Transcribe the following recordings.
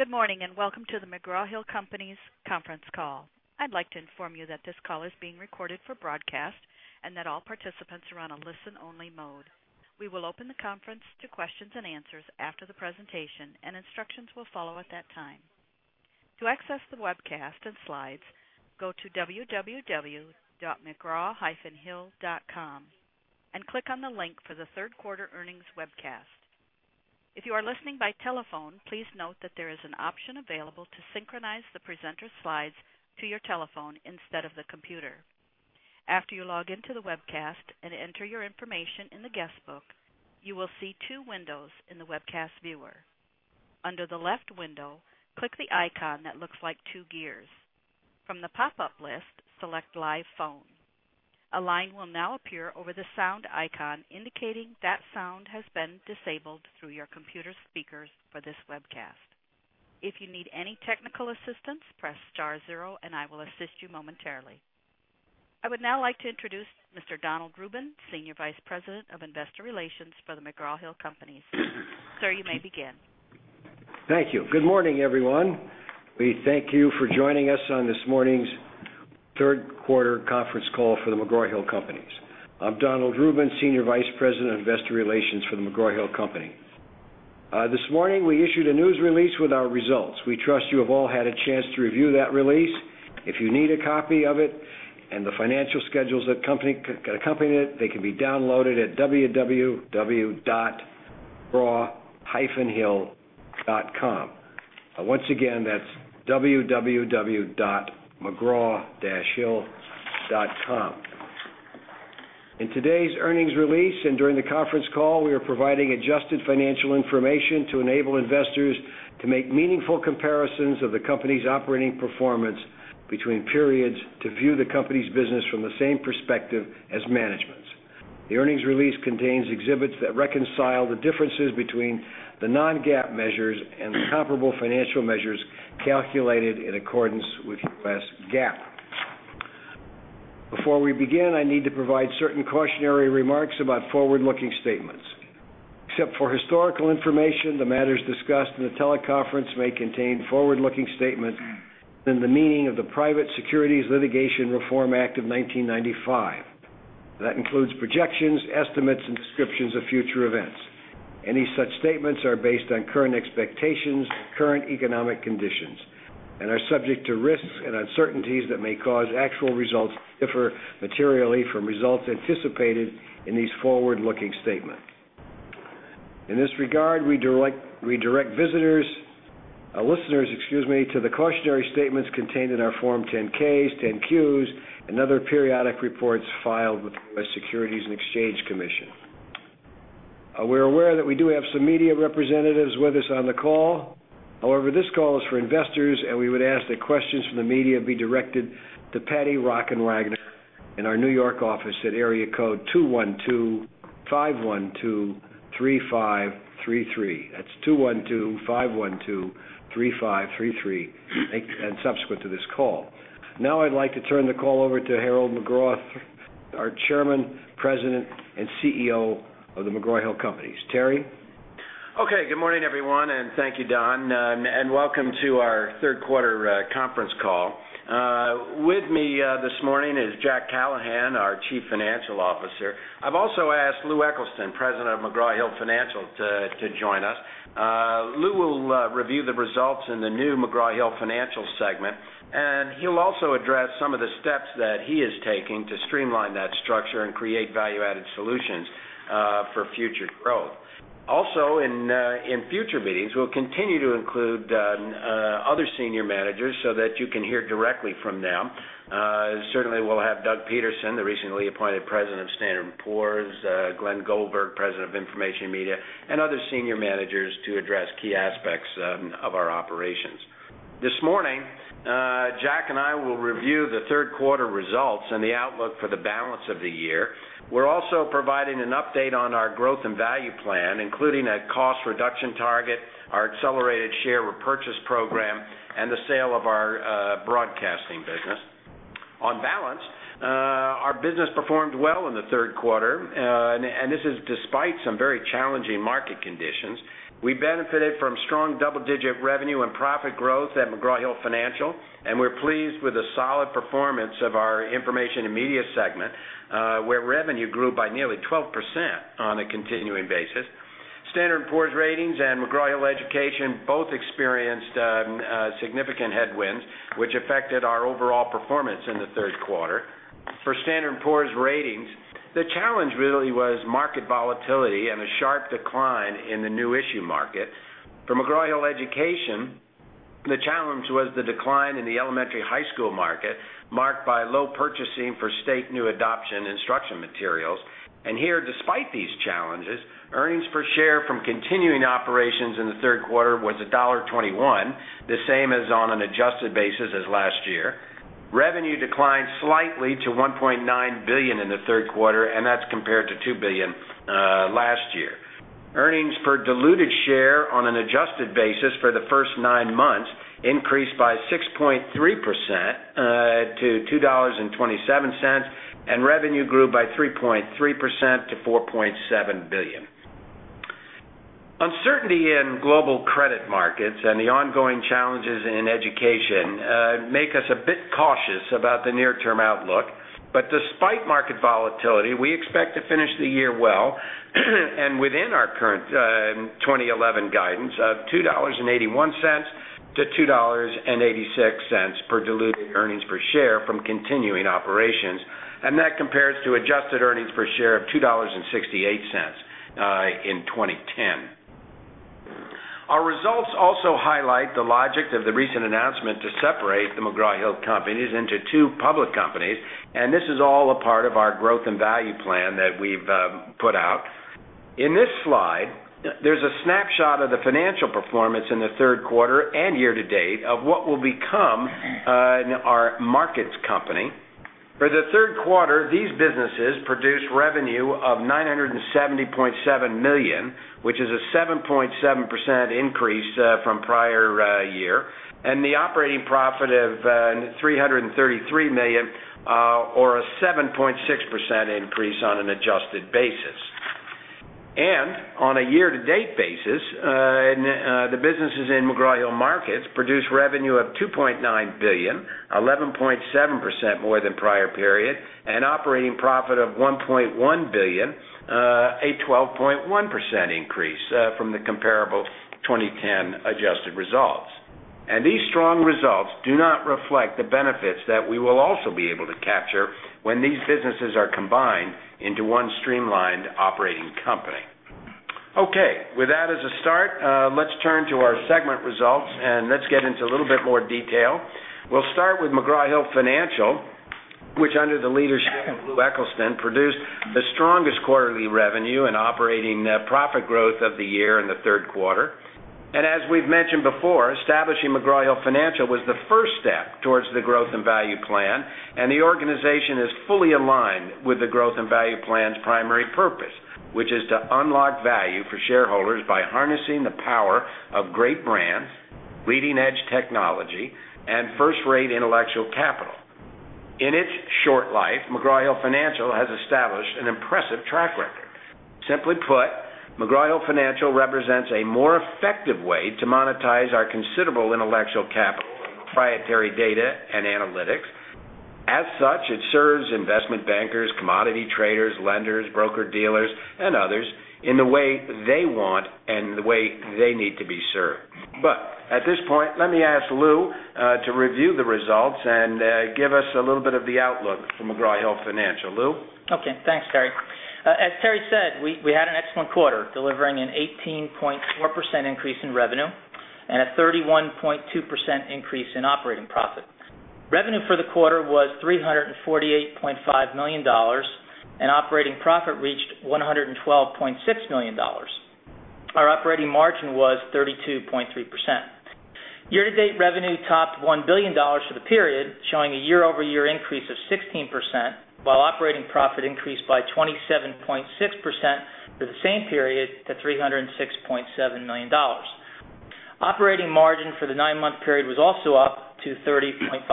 Good morning and welcome to The McGraw-Hill Companies' Conference Call. I'd like to inform you that this call is being recorded for broadcast and that all participants are on a listen-only mode. We will open the conference to questions and answers after the presentation, and instructions will follow at that time. To access the webcast and slides, go to www.mcgraw-hill.com and click on the link for the third quarter earnings webcast. If you are listening by telephone, please note that there is an option available to synchronize the presenter's slides to your telephone instead of the computer. After you log into the webcast and enter your information in the guest book, you will see two windows in the webcast viewer. Under the left window, click the icon that looks like two gears. From the pop-up list, select Live Phone. A line will now appear over the sound icon indicating that sound has been disabled through your computer speakers for this webcast. If you need any technical assistance, press *0 and I will assist you momentarily. I would now like to introduce Mr. Donald Rubin, Senior Vice President of Investor Relations for The McGraw-Hill Companies. Sir, you may begin. Thank you. Good morning, everyone. We thank you for joining us on this morning's third quarter conference call for The McGraw-Hill Companies. I'm Donald Rubin, Senior Vice President of Investor Relations for The McGraw-Hill Companies. This morning, we issued a news release with our results. We trust you have all had a chance to review that release. If you need a copy of it and the financial schedules that accompany it, they can be downloaded at www.mcgraw-hill.com. Once again, that's www.mcgraw-hill.com. In today's earnings release and during the conference call, we are providing adjusted financial information to enable investors to make meaningful comparisons of the company's operating performance between periods to view the company's business from the same perspective as management. The earnings release contains exhibits that reconcile the differences between the non-GAAP measures and comparable financial measures calculated in accordance with U.S. GAAP. Before we begin, I need to provide certain cautionary remarks about forward-looking statements. Except for historical information, the matters discussed in the teleconference may contain forward-looking statements in the meaning of the Private Securities Litigation Reform Act of 1995. That includes projections, estimates, and descriptions of future events. Any such statements are based on current expectations, current economic conditions, and are subject to risks and uncertainties that may cause actual results to differ materially from results anticipated in these forward-looking statements. In this regard, we direct listeners to the cautionary statements contained in our Form 10-Ks, 10-Qs, and other periodic reports filed with the U.S. Securities and Exchange Commission. We're aware that we do have some media representatives with us on the call. However, this call is for investors, and we would ask that questions from the media be directed to Patty Rockenreigner in our New York office at area code 212-512-3533. That's 212-512-3533 and subsequent to this call. Now I'd like to turn the call over to Harold McGraw, our Chairman, President, and CEO of The McGraw-Hill Companies. Terry? Okay. Good morning, everyone, and thank you, Don, and welcome to our third quarter conference call. With me this morning is Jack Callahan, our Chief Financial Officer. I've also asked Lou Eccleston, President of McGraw-Hill Financial, to join us. Lou will review the results in the new McGraw-Hill Financial segment, and he'll also address some of the steps that he is taking to streamline that structure and create value-added solutions for future growth. Also, in future meetings, we'll continue to include other senior managers so that you can hear directly from them. Certainly, we'll have Doug Peterson, the recently appointed President of Standard & Poor’s Ratings, Glenn Goldberg, President of Information and Media, and other senior managers to address key aspects of our operations. This morning, Jack and I will review the third quarter results and the outlook for the balance of the year. We're also providing an update on our growth and value plan, including a cost reduction target, our accelerated share repurchase program, and the sale of our broadcasting business. On balance, our business performed well in the third quarter, and this is despite some very challenging market conditions. We benefited from strong double-digit revenue and profit growth at McGraw-Hill Financial, and we're pleased with a solid performance of our Information and Media segment, where revenue grew by nearly 12% on a continuing basis. Standard & Poor’s Ratings and McGraw-Hill Education both experienced significant headwinds, which affected our overall performance in the third quarter. For Standard & Poor’s Ratings, the challenge really was market volatility and a sharp decline in the new issue market. For McGraw-Hill Education, the challenge was the decline in the elementary high school market, marked by low purchasing for state new adoption instructional materials. Here, despite these challenges, earnings per share from continuing operations in the third quarter was $1.21, the same as on an adjusted basis as last year. Revenue declined slightly to $1.9 billion in the third quarter, and that's compared to $2 billion last year. Earnings per diluted share on an adjusted basis for the first nine months increased by 6.3% to $2.27, and revenue grew by 3.3% to $4.7 billion. Uncertainty in global credit markets and the ongoing challenges in education make us a bit cautious about the near-term outlook. Despite market volatility, we expect to finish the year well and within our current 2011 guidance of $2.81-$2.86 per diluted EPS from continuing operations, and that compares to adjusted EPS of $2.68 in 2010. Our results also highlight the logic of the recent announcement to separate The McGraw-Hill Companies into two public companies, and this is all a part of our growth and value plan that we've put out. In this slide, there's a snapshot of the financial performance in the third quarter and year to date of what will become our markets company. For the third quarter, these businesses produced revenue of $970.7 million, which is a 7.7% increase from prior year, and the operating profit of $333 million, or a 7.6% increase on an adjusted basis. On a year-to-date basis, the businesses in McGraw-Hill Markets produced revenue of $2.9 billion, 11.7% more than prior period, and operating profit of $1.1 billion, a 12.1% increase from the comparable 2010 adjusted results. These strong results do not reflect the benefits that we will also be able to capture when these businesses are combined into one streamlined operating company. With that as a start, let's turn to our segment results, and get into a little bit more detail. We'll start with McGraw-Hill Financial, which under the leadership of Lou Eccleston produced the strongest quarterly revenue and operating profit growth of the year in the third quarter. As we've mentioned before, establishing McGraw-Hill Financial was the first step towards the growth and value plan, and the organization is fully aligned with the growth and value plan's primary purpose, which is to unlock value for shareholders by harnessing the power of great brands, leading-edge technology, and first-rate intellectual capital. In its short life, McGraw-Hill Financial has established an impressive track record. Simply put, McGraw-Hill Financial represents a more effective way to monetize our considerable intellectual capital, proprietary data, and analytics. As such, it serves investment bankers, commodity traders, lenders, broker dealers, and others in the way they want and the way they need to be served. At this point, let me ask Lou to review the results and give us a little bit of the outlook from McGraw-Hill Financial. Lou? Okay. Thanks, Terry. As Terry said, we had an excellent quarter, delivering an 18.4% increase in revenue and a 31.2% increase in operating profit. Revenue for the quarter was $348.5 million, and operating profit reached $112.6 million. Our operating margin was 32.3%. Year-to-date revenue topped $1 billion for the period, showing a year-over-year increase of 16%, while operating profit increased by 27.6% for the same period to $306.7 million. Operating margin for the nine-month period was also up to 30.5%.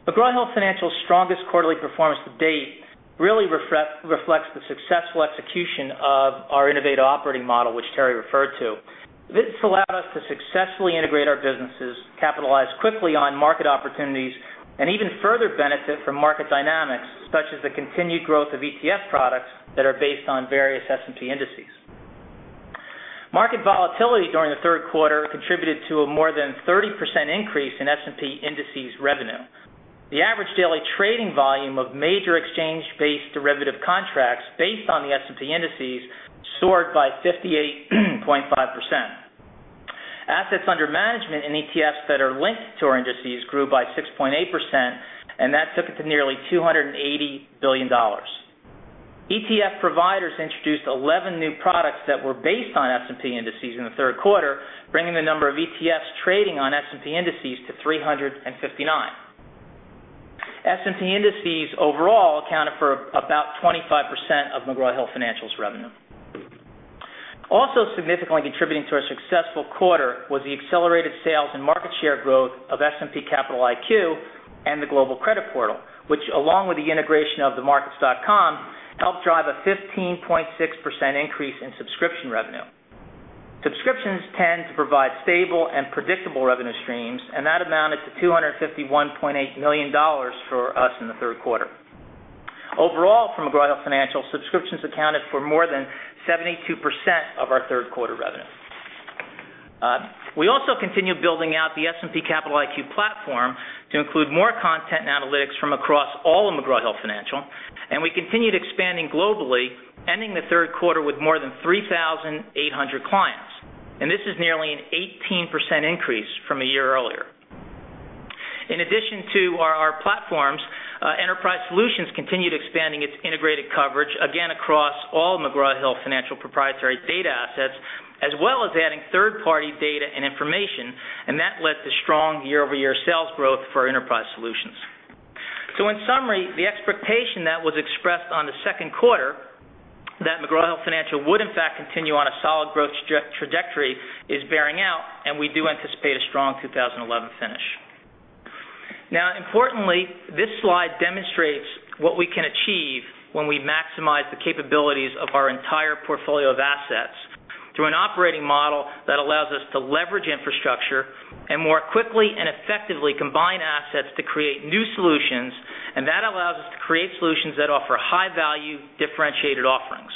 S&P Global's strongest quarterly performance to date really reflects the successful execution of our innovative operating model, which Terry referred to. This allowed us to successfully integrate our businesses, capitalize quickly on market opportunities, and even further benefit from market dynamics, such as the continued growth of ETF products that are based on various S&P indices. Market volatility during the third quarter contributed to a more than 30% increase in S&P indices revenue. The average daily trading volume of major exchange-based derivative contracts based on the S&P indices soared by 58.5%. Assets under management in ETFs that are linked to our indices grew by 6.8%, and that took it to nearly $280 billion. ETF providers introduced 11 new products that were based on S&P indices in the third quarter, bringing the number of ETFs trading on S&P indices to 359. S&P indices overall accounted for about 25% of S&P Global's revenue. Also significantly contributing to a successful quarter was the accelerated sales and market share growth of S&P Capital IQ and the Global Credit Portal, which, along with the integration of the Markets.com, helped drive a 15.6% increase in subscription revenue. Subscriptions tend to provide stable and predictable revenue streams, and that amounted to $251.8 million for us in the third quarter. Overall, for S&P Global, subscriptions accounted for more than 72% of our third quarter revenue. We also continued building out the S&P Capital IQ platform to include more content and analytics from across all of S&P Global, and we continued expanding globally, ending the third quarter with more than 3,800 clients. This is nearly an 18% increase from a year earlier. In addition to our platforms, Enterprise Solutions continued expanding its integrated coverage, again, across all McGraw-Hill Financial proprietary data assets, as well as adding third-party data and information, and that led to strong year-over-year sales growth for Enterprise Solutions. In summary, the expectation that was expressed on the second quarter, that McGraw-Hill Financial would, in fact, continue on a solid growth trajectory, is bearing out, and we do anticipate a strong 2011 finish. Importantly, this slide demonstrates what we can achieve when we maximize the capabilities of our entire portfolio of assets through an operating model that allows us to leverage infrastructure and more quickly and effectively combine assets to create new solutions, and that allows us to create solutions that offer high-value, differentiated offerings.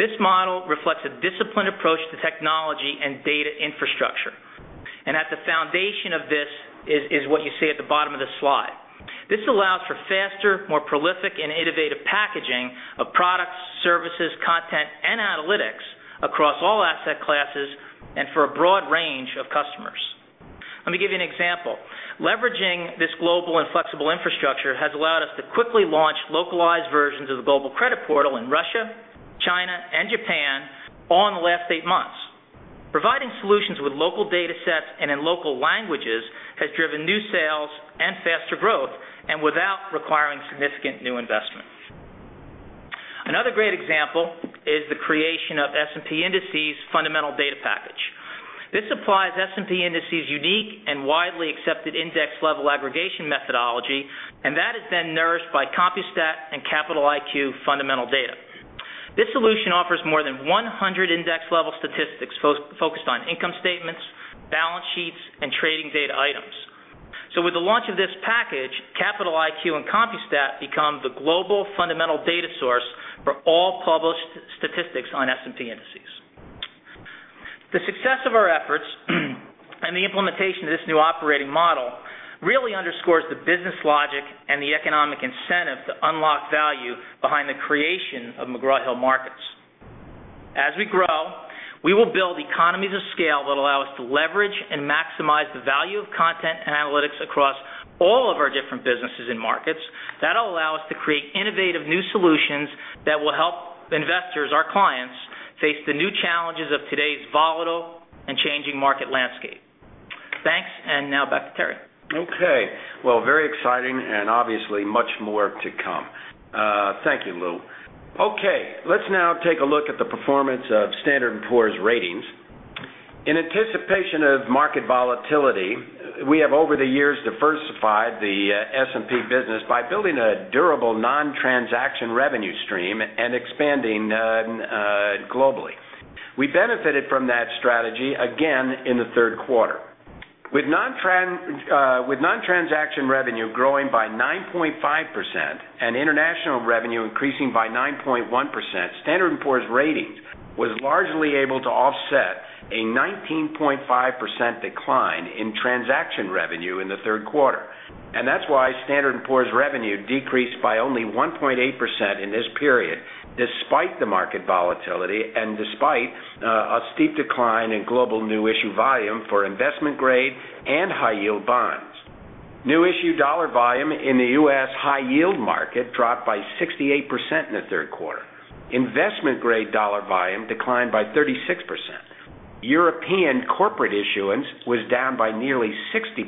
This model reflects a disciplined approach to technology and data infrastructure, and at the foundation of this is what you see at the bottom of this slide. This allows for faster, more prolific, and innovative packaging of products, services, content, and analytics across all asset classes and for a broad range of customers. Let me give you an example. Leveraging this global and flexible infrastructure has allowed us to quickly launch localized versions of the Global Credit Portal in Russia, China, and Japan all in the last eight months. Providing solutions with local datasets and in local languages has driven new sales and faster growth, and without requiring significant new investments. Another great example is the creation of S&P Indices Fundamental Data Package. This supplies S&P Indices' unique and widely accepted index-level aggregation methodology, and that is then nourished by Compustat and Capital IQ Fundamental Data. This solution offers more than 100 index-level statistics focused on income statements, balance sheets, and trading data items. With the launch of this package, Capital IQ and Compustat become the global fundamental data source for all published statistics on S&P Indices. The success of our efforts and the implementation of this new operating model really underscores the business logic and the economic incentive to unlock value behind the creation of McGraw-Hill Markets. As we grow, we will build economies of scale that allow us to leverage and maximize the value of content and analytics across all of our different businesses and markets. That'll allow us to create innovative new solutions that will help investors, our clients, face the new challenges of today's volatile and changing market landscape. Thanks, and now back to Terry. Okay. Very exciting and obviously much more to come. Thank you, Lou. Okay. Let's now take a look at the performance of Standard & Poor's Ratings. In anticipation of market volatility, we have, over the years, diversified the S&P business by building a durable non-transaction revenue stream and expanding globally. We benefited from that strategy again in the third quarter. With non-transaction revenue growing by 9.5% and international revenue increasing by 9.1%, Standard & Poor's Ratings were largely able to offset a 19.5% decline in transaction revenue in the third quarter. That's why Standard & Poor's revenue decreased by only 1.8% in this period, despite the market volatility and despite a steep decline in global new issue volume for investment-grade and high-yield bonds. New issue dollar volume in the U.S., high-yield market dropped by 68% in the third quarter. Investment-grade dollar volume declined by 36%. European corporate issuance was down by nearly 60%,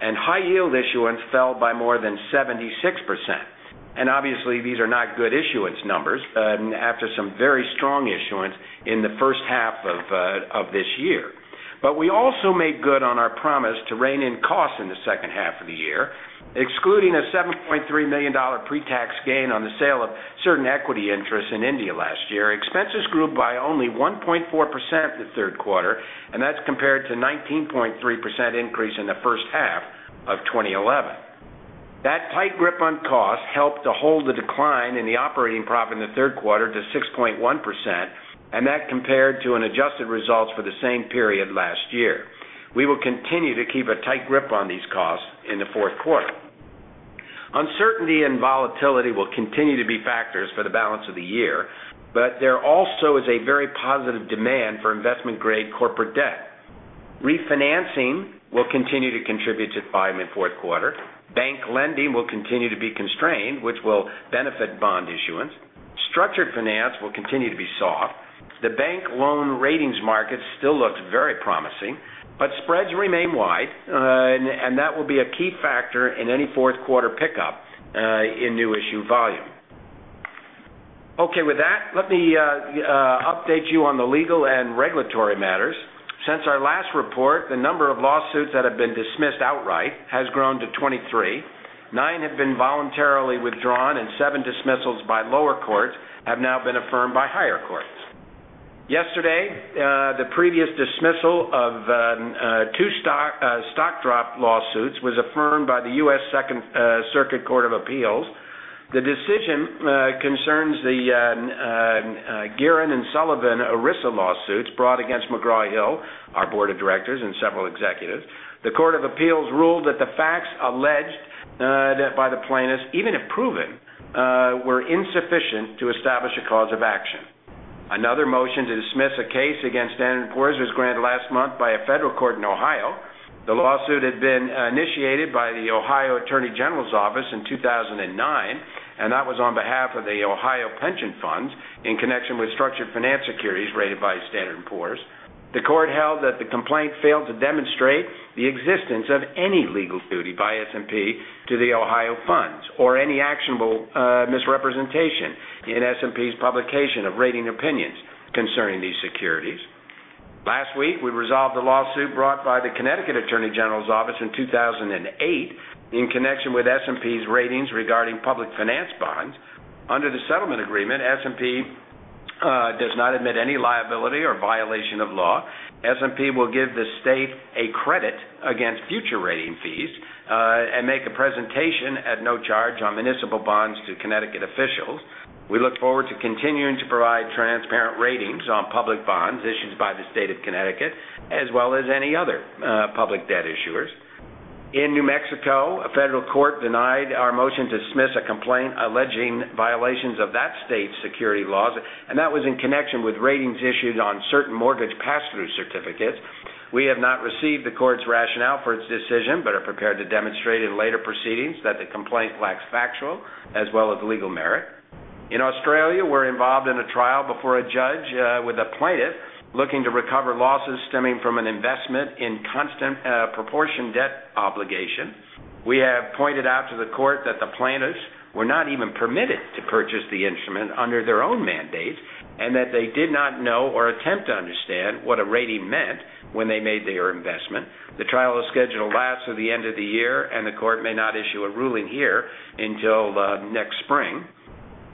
and high-yield issuance fell by more than 76%. Obviously, these are not good issuance numbers after some very strong issuance in the first half of this year. We also made good on our promise to rein in costs in the second half of the year, excluding a $7.3 million pre-tax gain on the sale of certain equity interests in India last year. Expenses grew by only 1.4% in the third quarter, and that's compared to a 19.3% increase in the first half of 2011. That tight grip on costs helped to hold the decline in the operating profit in the third quarter to 6.1%, and that compared to unadjusted results for the same period last year. We will continue to keep a tight grip on these costs in the fourth quarter. Uncertainty and volatility will continue to be factors for the balance of the year, but there also is a very positive demand for investment-grade corporate debt. Refinancing will continue to contribute to the five and fourth quarter. Bank lending will continue to be constrained, which will benefit bond issuance. Structured finance will continue to be soft. The bank loan ratings market still looks very promising, but spreads remain wide, and that will be a key factor in any fourth quarter pickup in new issue volume. Okay. With that, let me update you on the legal and regulatory matters. Since our last report, the number of lawsuits that have been dismissed outright has grown to 23. Nine have been voluntarily withdrawn, and seven dismissals by lower courts have now been affirmed by higher courts. Yesterday, the previous dismissal of two stock drop lawsuits was affirmed by the U.S. Second Circuit Court of Appeal. The decision concerns the Gearin and Sullivan ERISA lawsuits brought against The McGraw-Hill, our Board of Directors, and several executives. The Court of Appeals ruled that the facts alleged by the plaintiffs, even if proven, were insufficient to establish a cause of action. Another motion to dismiss a case against Standard & Poor’s Ratings was granted last month by a federal court in Ohio. The lawsuit had been initiated by the Ohio Attorney General’s Office in 2009, and that was on behalf of the Ohio Pension Funds in connection with structured finance securities rated by Standard & Poor’s. The court held that the complaint failed to demonstrate the existence of any legal duty by S&P to the Ohio Funds or any actionable misrepresentation in S&P’s publication of rating opinions concerning these securities. Last week, we resolved the lawsuit brought by the Connecticut Attorney General’s Office in 2008 in connection with S&P’s Ratings regarding public finance bonds. Under the settlement agreement, S&P does not admit any liability or violation of law. S&P will give the state a credit against future rating fees and make a presentation at no charge on municipal bonds to Connecticut officials. We look forward to continuing to provide transparent ratings on public bonds issued by the state of Connecticut, as well as any other public debt issuers. In New Mexico, a federal court denied our motion to dismiss a complaint alleging violations of that state’s securities laws, and that was in connection with ratings issued on certain mortgage pass-through certificates. We have not received the court’s rationale for its decision, but are prepared to demonstrate in later proceedings that the complaint lacks factual as well as legal merit. In Australia, we’re involved in a trial before a judge with a plaintiff looking to recover losses stemming from an investment in constant proportion debt obligation. We have pointed out to the court that the plaintiffs were not even permitted to purchase the instrument under their own mandates and that they did not know or attempt to understand what a rating meant when they made their investment. The trial is scheduled to last through the end of the year, and the court may not issue a ruling here until next spring.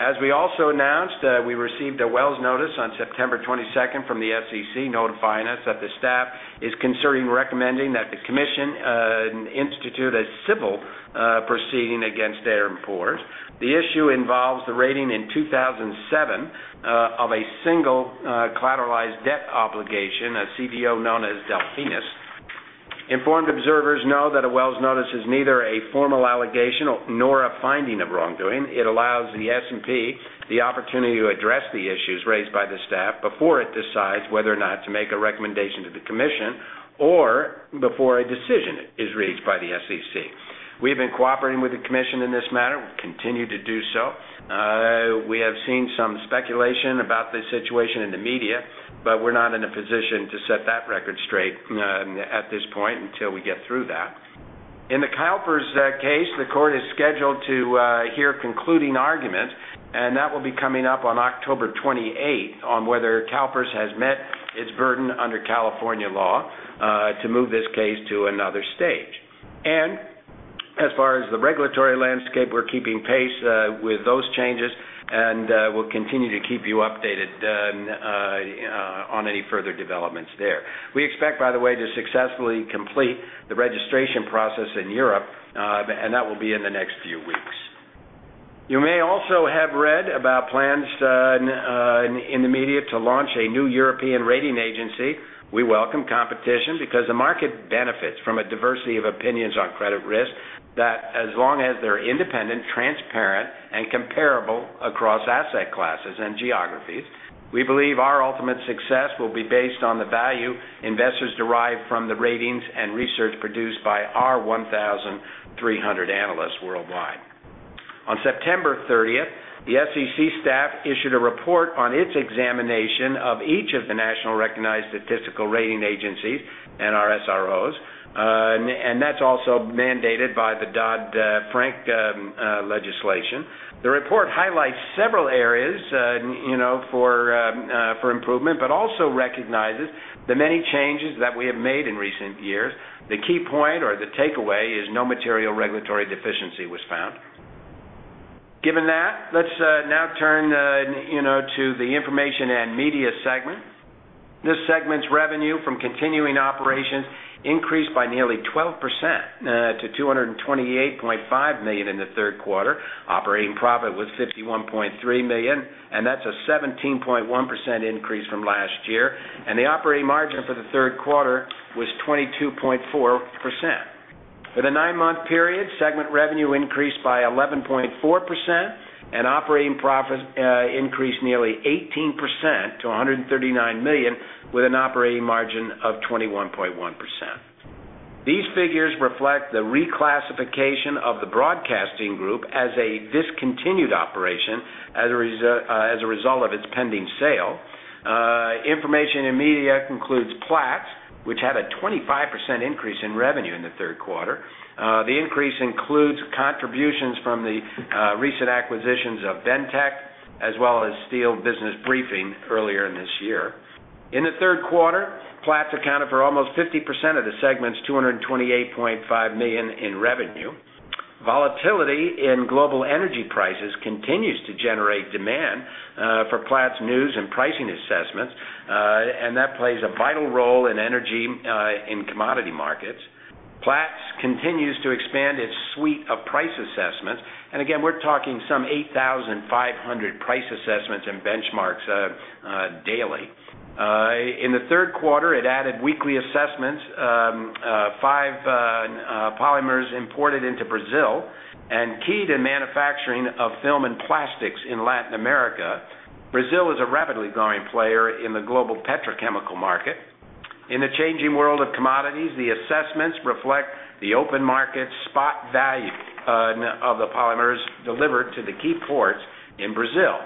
As we also announced, we received a Wells notice on September 22nd from the SEC notifying us that the staff is considering recommending that the commission institute a civil proceeding against Standard & Poor’s. The issue involves the rating in 2007 of a single collateralized debt obligation, a CDO known as Delfinus. Informed observers know that a Wells notice is neither a formal allegation nor a finding of wrongdoing. It allows Standard & Poor’s the opportunity to address the issues raised by the staff before it decides whether or not to make a recommendation to the commission or before a decision is reached by the SEC. We have been cooperating with the commission in this matter. We'll continue to do so. We have seen some speculation about this situation in the media, but we're not in a position to set that record straight at this point until we get through that. In the CalPERS case, the court is scheduled to hear concluding arguments, and that will be coming up on October 28th on whether CalPERS has met its burden under California law to move this case to another stage. As far as the regulatory landscape, we're keeping pace with those changes and will continue to keep you updated on any further developments there. We expect, by the way, to successfully complete the registration process in Europe, and that will be in the next few weeks. You may also have read about plans in the media to launch a new European rating agency. We welcome competition because the market benefits from a diversity of opinions on credit risk that, as long as they're independent, transparent, and comparable across asset classes and geographies. We believe our ultimate success will be based on the value investors derive from the ratings and research produced by our 1,300 analysts worldwide. On September 30th, the SEC staff issued a report on its examination of each of the nationally recognized statistical rating agencies and RSROs, and that's also mandated by the Dodd-Frank legislation. The report highlights several areas for improvement, but also recognizes the many changes that we have made in recent years. The key point or the takeaway is no material regulatory deficiency was found. Given that, let's now turn to the information and media segment. This segment's revenue from continuing operations increased by nearly 12% to $228.5 million in the third quarter. Operating profit was $51.3 million, and that's a 17.1% increase from last year. The operating margin for the third quarter was 22.4%. For the nine-month period, segment revenue increased by 11.4% and operating profits increased nearly 18% to $139 million with an operating margin of 21.1%. These figures reflect the reclassification of the broadcasting group as a discontinued operation as a result of its pending sale. Information and Media includes Platts, which had a 25% increase in revenue in the third quarter. The increase includes contributions from the recent acquisitions of Bentek as well as Steel Business Briefing earlier in this year. In the third quarter, Platts accounted for almost 50% of the segment's $228.5 million in revenue. Volatility in global energy prices continues to generate demand for Platts' news and pricing assessments, and that plays a vital role in energy and commodity markets. Platts continues to expand its suite of price assessments. We're talking some 8,500 price assessments and benchmarks daily. In the third quarter, it added weekly assessments of five polymers imported into Brazil and key to manufacturing of film and plastics in Latin America. Brazil is a rapidly growing player in the global petrochemical market. In the changing world of commodities, the assessments reflect the open market spot value of the polymers delivered to the key ports in Brazil.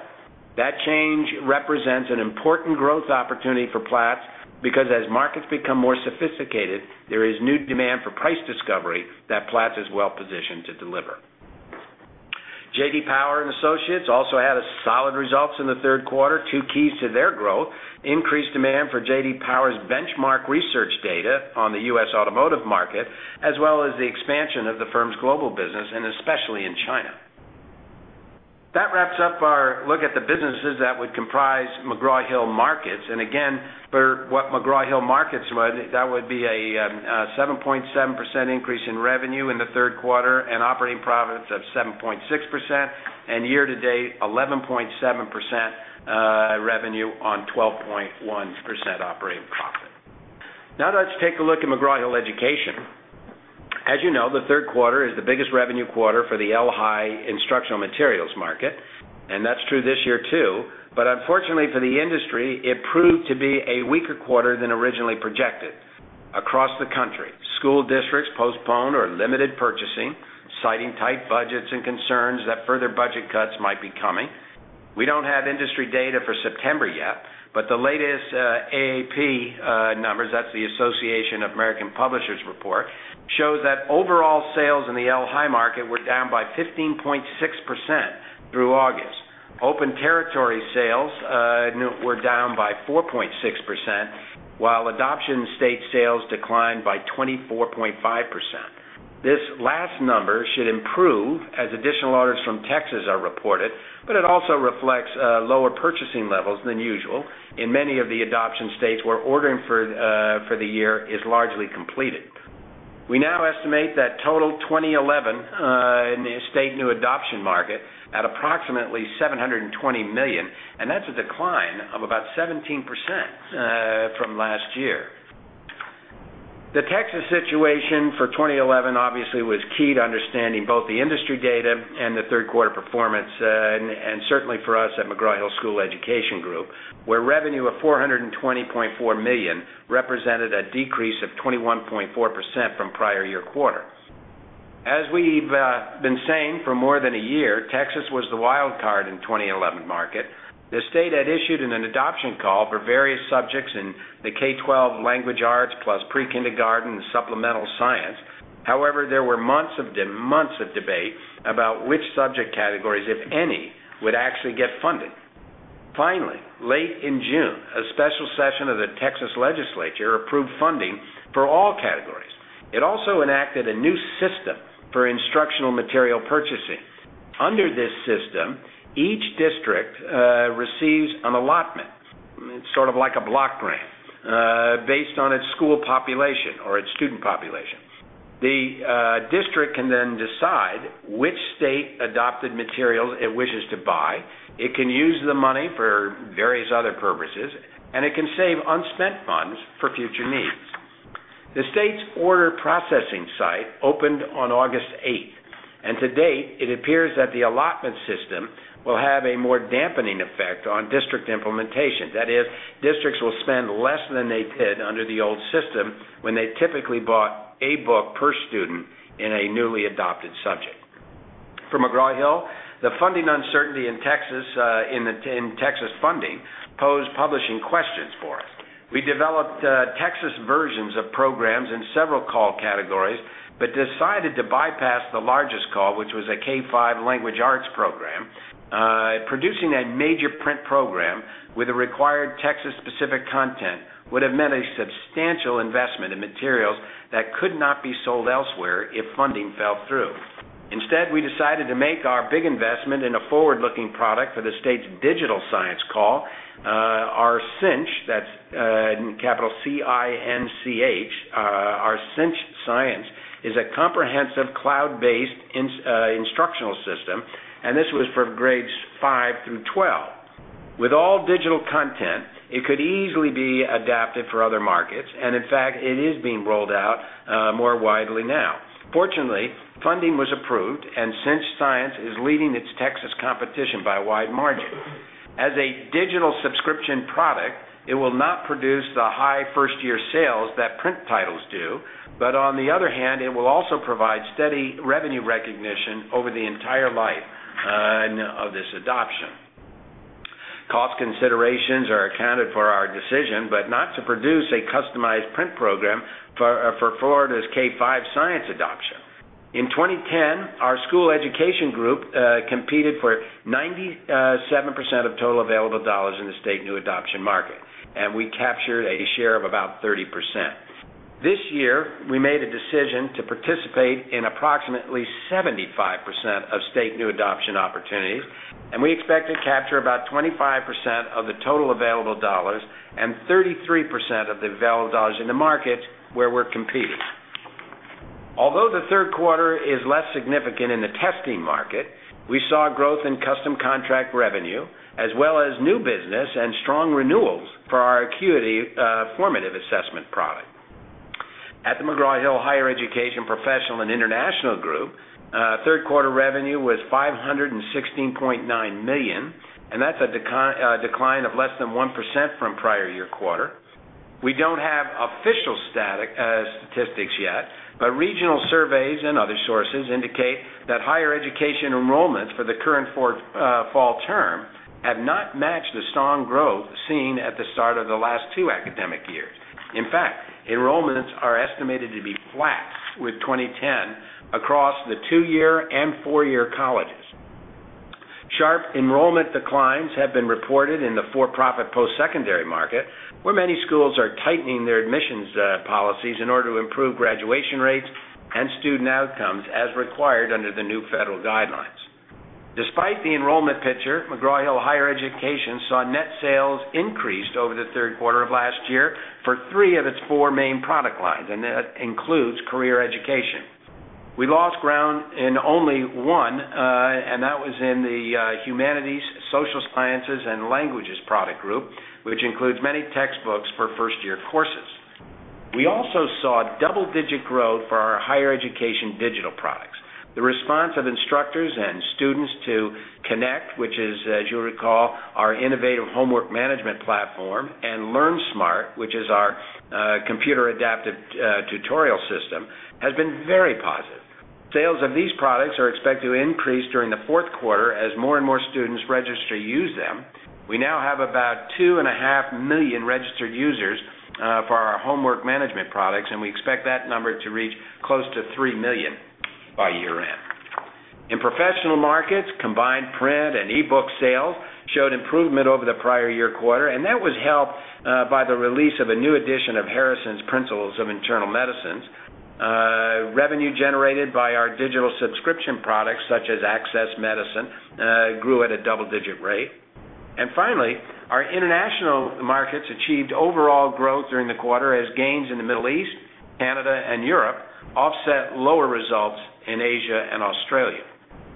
That change represents an important growth opportunity for Platts because as markets become more sophisticated, there is new demand for price discovery that Platts is well positioned to deliver. J.D. Power and Associates also had solid results in the third quarter, two keys to their growth: increased demand for J.D. Power's benchmark research data on the U.S., automotive market, as well as the expansion of the firm's global business, especially in China. That wraps up our look at the businesses that would comprise McGraw-Hill Markets. For what McGraw-Hill Markets would, that would be a 7.7% increase in revenue in the third quarter and operating profits of 7.6% and year-to-date 11.7% revenue on 12.1% operating profit. Now let's take a look at McGraw-Hill Education. As you know, the third quarter is the biggest revenue quarter for the LHI Instructional Materials market, and that's true this year too. Unfortunately for the industry, it proved to be a weaker quarter than originally projected. Across the country, school districts postponed or limited purchasing, citing tight budgets and concerns that further budget cuts might be coming. We don't have industry data for September yet, but the latest AAP numbers, that's the Association of American Publishers report, shows that overall sales in the LHI market were down by 15.6% through August. Open territory sales were down by 4.6%, while adoption state sales declined by 24.5%. This last number should improve as additional orders from Texas are reported, but it also reflects lower purchasing levels than usual in many of the adoption states where ordering for the year is largely completed. We now estimate that total 2011 in the state new adoption market at approximately $720 million, and that's a decline of about 17% from last year. The Texas situation for 2011 obviously was key to understanding both the industry data and the third quarter performance, and certainly for us at S&P Global School Education Group, where revenue of $420.4 million represented a decrease of 21.4% from prior year quarter. As we've been saying for more than a year, Texas was the wild card in the 2011 market. The state had issued an adoption call for various subjects in the K-12 language arts plus pre-kindergarten and supplemental science. However, there were months of debate about which subject categories, if any, would actually get funded. Finally, late in June, a special session of the Texas legislature approved funding for all categories. It also enacted a new system for instructional material purchasing. Under this system, each district receives an allotment. It's sort of like a block grant based on its school population or its student population. The district can then decide which state-adopted materials it wishes to buy. It can use the money for various other purposes, and it can save unspent funds for future needs. The state's order processing site opened on August 8th, and to date, it appears that the allotment system will have a more dampening effect on district implementation. That is, districts will spend less than they did under the old system when they typically bought a book per student in a newly adopted subject. For S&P Global, the funding uncertainty in Texas funding posed publishing questions for us. We developed Texas versions of programs in several call categories, but decided to bypass the largest call, which was a K-5 language arts program. Producing a major print program with required Texas-specific content would have meant a substantial investment in materials that could not be sold elsewhere if funding fell through. Instead, we decided to make our big investment in a forward-looking product for the state's digital science call. Our CINCH, that's capital C-I-N-C-H, our CINCH Science is a comprehensive cloud-based instructional system, and this was for grades 5 through 12. With all digital content, it could easily be adapted for other markets, and in fact, it is being rolled out more widely now. Fortunately, funding was approved, and CINCH Science is leading its Texas competition by a wide margin. As a digital subscription product, it will not produce the high first-year sales that print titles do, but on the other hand, it will also provide steady revenue recognition over the entire life of this adoption. Cost considerations are accounted for our decision, but not to produce a customized print program for Florida's K-5 science adoption. In 2010, our school education group competed for 97% of total available dollars in the state new adoption market, and we captured a share of about 30%. This year, we made a decision to participate in approximately 75% of state new adoption opportunities, and we expect to capture about 25% of the total available dollars and 33% of the available dollars in the markets where we're competing. Although the third quarter is less significant in the testing market, we saw growth in custom contract revenue, as well as new business and strong renewals for our Acuity formative assessment product. At the McGraw-Hill Higher Education Professional and International Group, third quarter revenue was $516.9 million, and that's a decline of less than 1% from prior year quarter. We don't have official statistics yet, but regional surveys and other sources indicate that higher education enrollments for the current fall term have not matched the strong growth seen at the start of the last two academic years. In fact, enrollments are estimated to be flat with 2010 across the two-year and four-year colleges. Sharp enrollment declines have been reported in the for-profit post-secondary market, where many schools are tightening their admissions policies in order to improve graduation rates and student outcomes as required under the new federal guidelines. Despite the enrollment picture, McGraw-Hill Higher Education saw net sales increase over the third quarter of last year for three of its four main product lines, and that includes career education. We lost ground in only one, and that was in the humanities, social sciences, and languages product group, which includes many textbooks for first-year courses. We also saw double-digit growth for our higher education digital products. The response of instructors and students to Connect, which is, as you recall, our innovative homework management platform, and LearnSmart, which is our computer-adaptive tutorial system, has been very positive. Sales of these products are expected to increase during the fourth quarter as more and more students register to use them. We now have about 2.5 million registered users for our homework management products, and we expect that number to reach close to 3 million by year-end. In professional markets, combined print and e-book sales showed improvement over the prior year quarter, and that was helped by the release of a new edition of Harrison's Principles of Internal Medicine. Revenue generated by our digital subscription products, such as AccessMedicine, grew at a double-digit rate. Finally, our international markets achieved overall growth during the quarter as gains in the Middle East, Canada, and Europe offset lower results in Asia and Australia.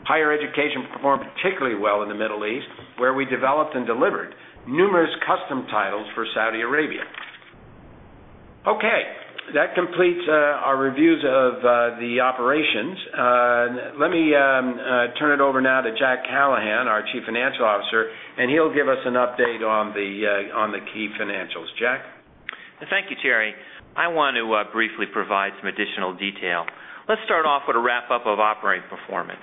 Higher education performed particularly well in the Middle East, where we developed and delivered numerous custom titles for Saudi Arabia. That completes our review of the operations. Let me turn it over now to Jack Callahan, our Chief Financial Officer, and he'll give us an update on the key financials. Jack? Thank you, Terry. I want to briefly provide some additional detail. Let's start off with a wrap-up of operating performance.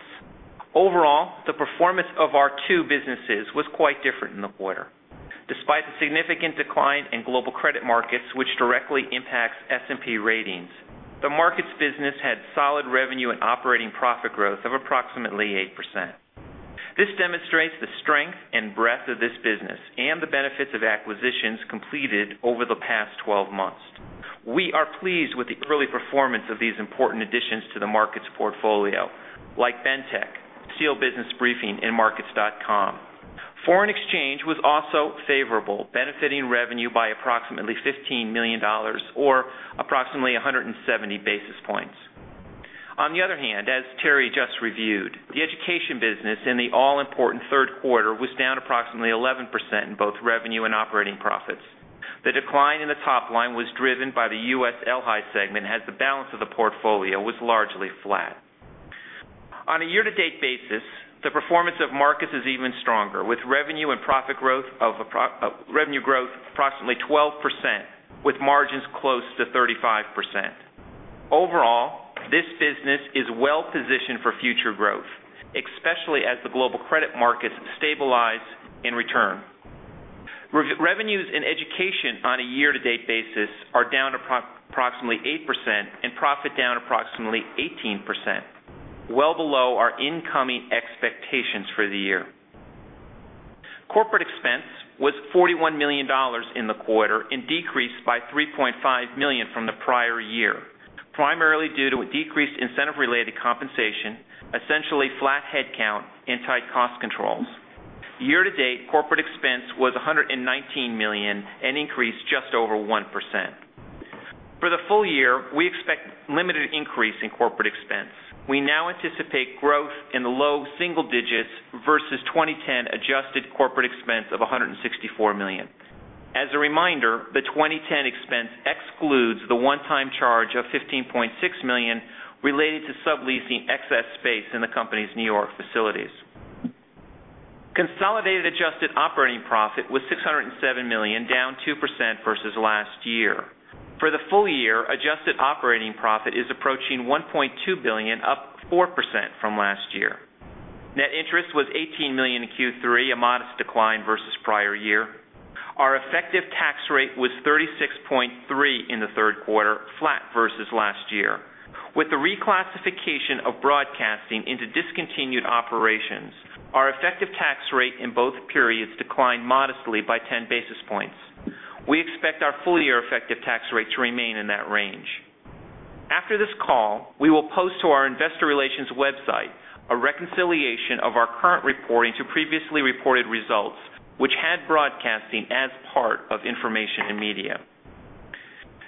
Overall, the performance of our two businesses was quite different in the quarter. Despite the significant decline in global credit markets, which directly impacts S&P Ratings, the markets business had solid revenue and operating profit growth of approximately 8%. This demonstrates the strength and breadth of this business and the benefits of acquisitions completed over the past 12 months. We are pleased with the early performance of these important additions to the markets portfolio, like Bentek, Steel Business Briefing, and Markets.com. Foreign exchange was also favorable, benefiting revenue by approximately $15 million or approximately 170 basis points. On the other hand, as Terry just reviewed, the education business in the all-important third quarter was down approximately 11% in both revenue and operating profits. The decline in the top line was driven by the U.S. LHI segment, as the balance of the portfolio was largely flat. On a year-to-date basis, the performance of markets is even stronger, with revenue and profit growth of approximately 12%, with margins close to 35%. Overall, this business is well positioned for future growth, especially as the global credit markets stabilize and return. Revenues in education on a year-to-date basis are down approximately 8% and profit down approximately 18%, well below our incoming expectations for the year. Corporate expense was $41 million in the quarter and decreased by $3.5 million from the prior year, primarily due to decreased incentive-related compensation, essentially flat headcount, and tight cost controls. Year-to-date, corporate expense was $119 million and increased just over 1%. For the full year, we expect a limited increase in corporate expense. We now anticipate growth in the low single digits versus 2010 adjusted corporate expense of $164 million. As a reminder, the 2010 expense excludes the one-time charge of $15.6 million related to subleasing excess space in the company's New York facilities. Consolidated adjusted operating profit was $607 million, down 2% versus last year. For the full year, adjusted operating profit is approaching $1.2 billion, up 4% from last year. Net interest was $18 million in Q3, a modest decline versus prior year. Our effective tax rate was 36.3% in the third quarter, flat versus last year. With the reclassification of broadcasting into discontinued operations, our effective tax rate in both periods declined modestly by 10 basis points. We expect our full-year effective tax rate to remain in that range. After this call, we will post to our Investor Relations website a reconciliation of our current reporting to previously reported results, which had broadcasting as part of Information and Media.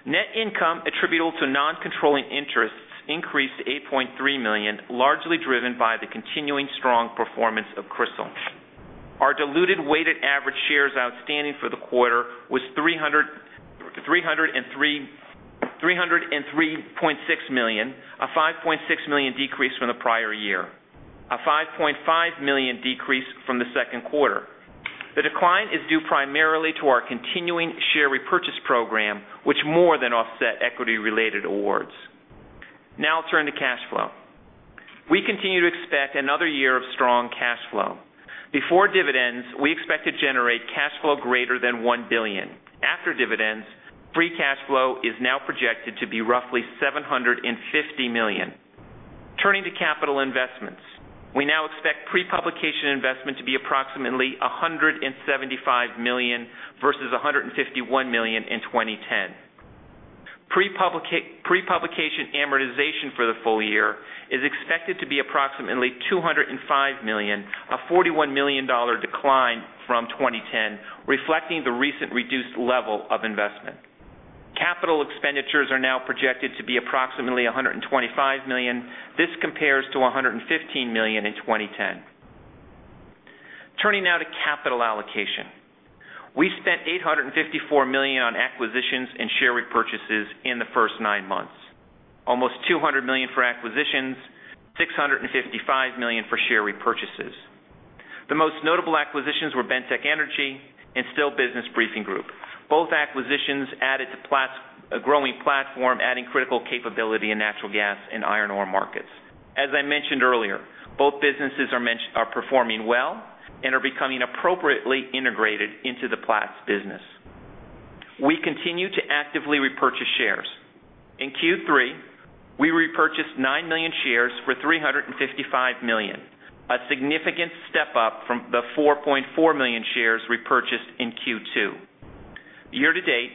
Net income attributable to non-controlling interests increased to $8.3 million, largely driven by the continuing strong performance of Crystal. Our diluted weighted average shares outstanding for the quarter was $303.6 million, a $5.6 million decrease from the prior year, a $5.5 million decrease from the second quarter. The decline is due primarily to our continuing share repurchase program, which more than offset equity-related awards. Now I'll turn to cash flow. We continue to expect another year of strong cash flow. Before dividends, we expect to generate cash flow greater than $1 billion. After dividends, free cash flow is now projected to be roughly $750 million. Turning to capital investments, we now expect pre-publication investment to be approximately $175 million versus $151 million in 2010. Pre-publication amortization for the full year is expected to be approximately $205 million, a $41 million decline from 2010, reflecting the recent reduced level of investment. Capital expenditures are now projected to be approximately $125 million. This compares to $115 million in 2010. Turning now to capital allocation, we spent $854 million on acquisitions and share repurchases in the first nine months, almost $200 million for acquisitions, $655 million for share repurchases. The most notable acquisitions were Bentek Energy and Steel Business Briefing. Both acquisitions added to Platts' growing platform, adding critical capability in natural gas and iron ore markets. As I mentioned earlier, both businesses are performing well and are becoming appropriately integrated into the Platts business. We continue to actively repurchase shares. In Q3, we repurchased $9 million shares for $355 million, a significant step up from the $4.4 million shares repurchased in Q2. Year-to-date,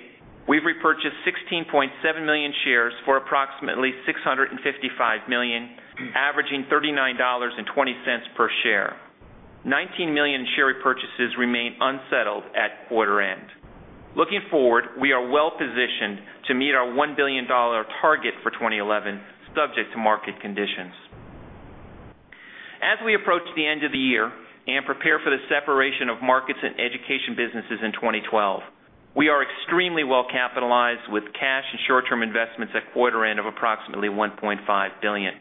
we've repurchased $16.7 million shares for approximately $655 million, averaging $39.20 per share. $19 million in share repurchases remain unsettled at quarter end. Looking forward, we are well positioned to meet our $1 billion target for 2011, subject to market conditions. As we approach the end of the year and prepare for the separation of markets and education businesses in 2012, we are extremely well capitalized with cash and short-term investments at quarter end of approximately $1.5 billion.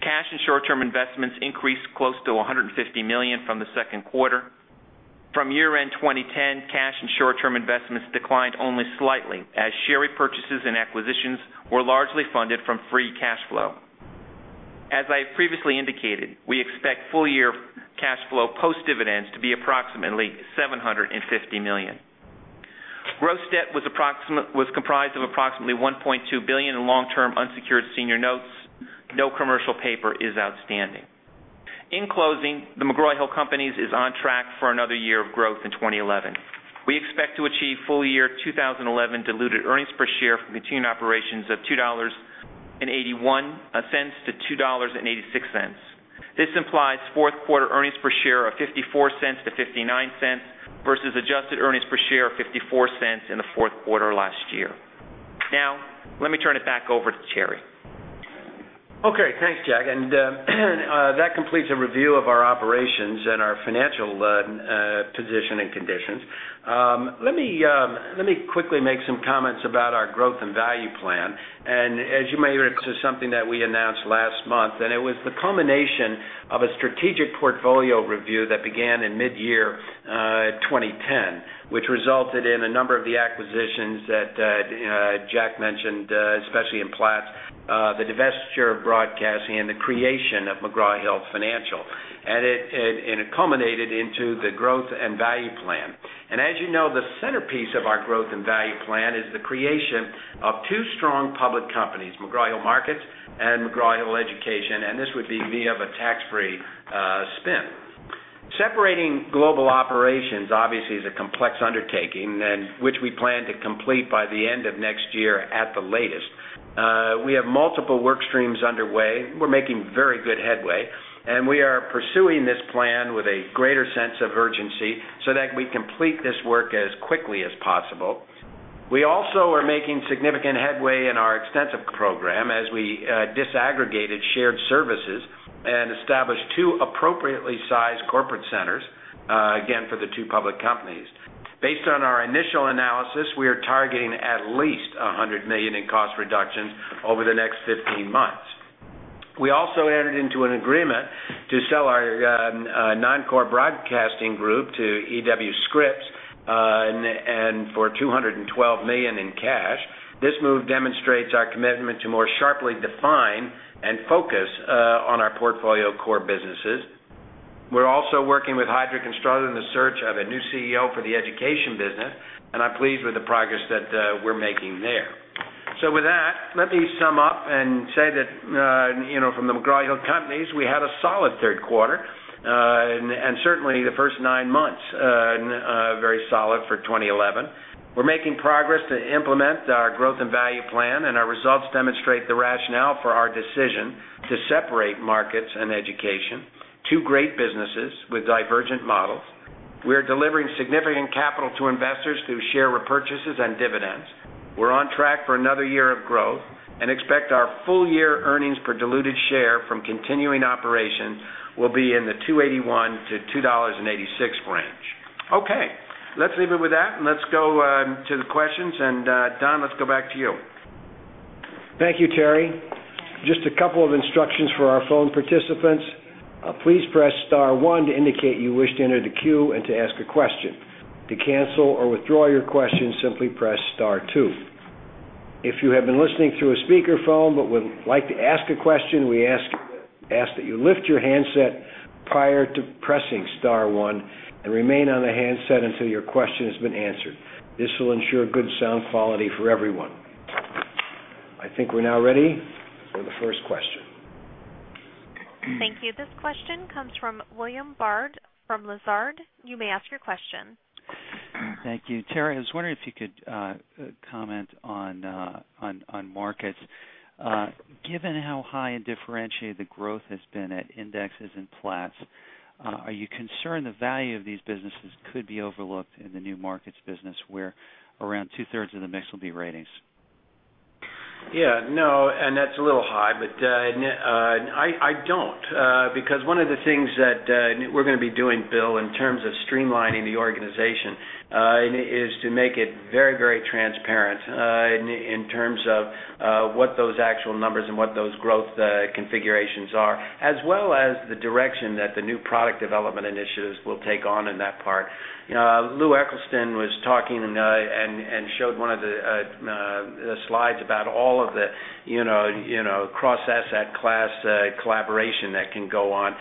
Cash and short-term investments increased close to $150 million from the second quarter. From year-end 2010, cash and short-term investments declined only slightly, as share repurchases and acquisitions were largely funded from free cash flow. As I have previously indicated, we expect full-year cash flow post-dividends to be approximately $750 million. Gross debt was comprised of approximately $1.2 billion in long-term unsecured senior notes. No commercial paper is outstanding. In closing, The McGraw-Hill Company is on track for another year of growth in 2011. We expect to achieve full-year 2011 diluted EPS from continuing operations of $2.81-$2.86. This implies fourth quarter earnings per share of $0.54-$0.59 versus adjusted earnings per share of $0.54 in the fourth quarter last year. Now, let me turn it back over to Terry. Okay. Thanks, Jack. That completes a review of our operations and our financial position and conditions. Let me quickly make some comments about our growth and value plan. As you may know, it's something that we announced last month, and it was the culmination of a strategic portfolio review that began in mid-year 2010, which resulted in a number of the acquisitions that Jack mentioned, especially in Platts, the divestiture of broadcasting, and the creation of McGraw-Hill Financial. It culminated in the growth and value plan. As you know, the centerpiece of our growth and value plan is the creation of two strong public companies, McGraw-Hill Markets and McGraw-Hill Education, and this would be via a tax-free spin. Separating global operations obviously is a complex undertaking, which we plan to complete by the end of next year at the latest. We have multiple work streams underway. We're making very good headway, and we are pursuing this plan with a greater sense of urgency so that we complete this work as quickly as possible. We also are making significant headway in our extensive program as we disaggregate shared services and establish two appropriately sized corporate centers, again for the two public companies. Based on our initial analysis, we are targeting at least $100 million in cost reductions over the next 15 months. We also entered into an agreement to sell our non-core broadcasting group to The E.W. Scripps Company for $212 million in cash. This move demonstrates our commitment to more sharply define and focus on our portfolio core businesses. We're also working with Hydro Construction in the search for a new CEO for the education business, and I'm pleased with the progress that we're making there. With that, let me sum up and say that for The McGraw-Hill Companies, we had a solid third quarter, and certainly the first nine months were very solid for 2011. We're making progress to implement our growth and value plan, and our results demonstrate the rationale for our decision to separate markets and education, two great businesses with divergent models. We are delivering significant capital to investors through share repurchases and dividends. We're on track for another year of growth and expect our full-year earnings per diluted share from continuing operations will be in the $2.81-$2.86 range. Let's leave it with that. Let's go to the questions. Don, let's go back to you. Thank you, Terry. Just a couple of instructions for our phone participants. Please press Star, one to indicate you wish to enter the queue and to ask a question. To cancel or withdraw your question, simply press Star, two. If you have been listening through a speakerphone but would like to ask a question, we ask that you lift your handset prior to pressing Star, one and remain on the handset until your question has been answered. This will ensure good sound quality for everyone. I think we're now ready for the first question. Thank you. This question comes from William Bird from Lazard. You may ask your question. Thank you. Terry, I was wondering if you could comment on markets. Given how high and differentiated the growth has been at indices and Platts, are you concerned the value of these businesses could be overlooked in the new markets business where around two-thirds of the mix will be ratings? Yeah. No, and that's a little high, but I don't. Because one of the things that we're going to be doing, Bill, in terms of streamlining the organization is to make it very, very transparent in terms of what those actual numbers and what those growth configurations are, as well as the direction that the new product development initiatives will take on in that part. You know, Lou Eccleston was talking and showed one of the slides about all of the cross-asset class collaboration that can go on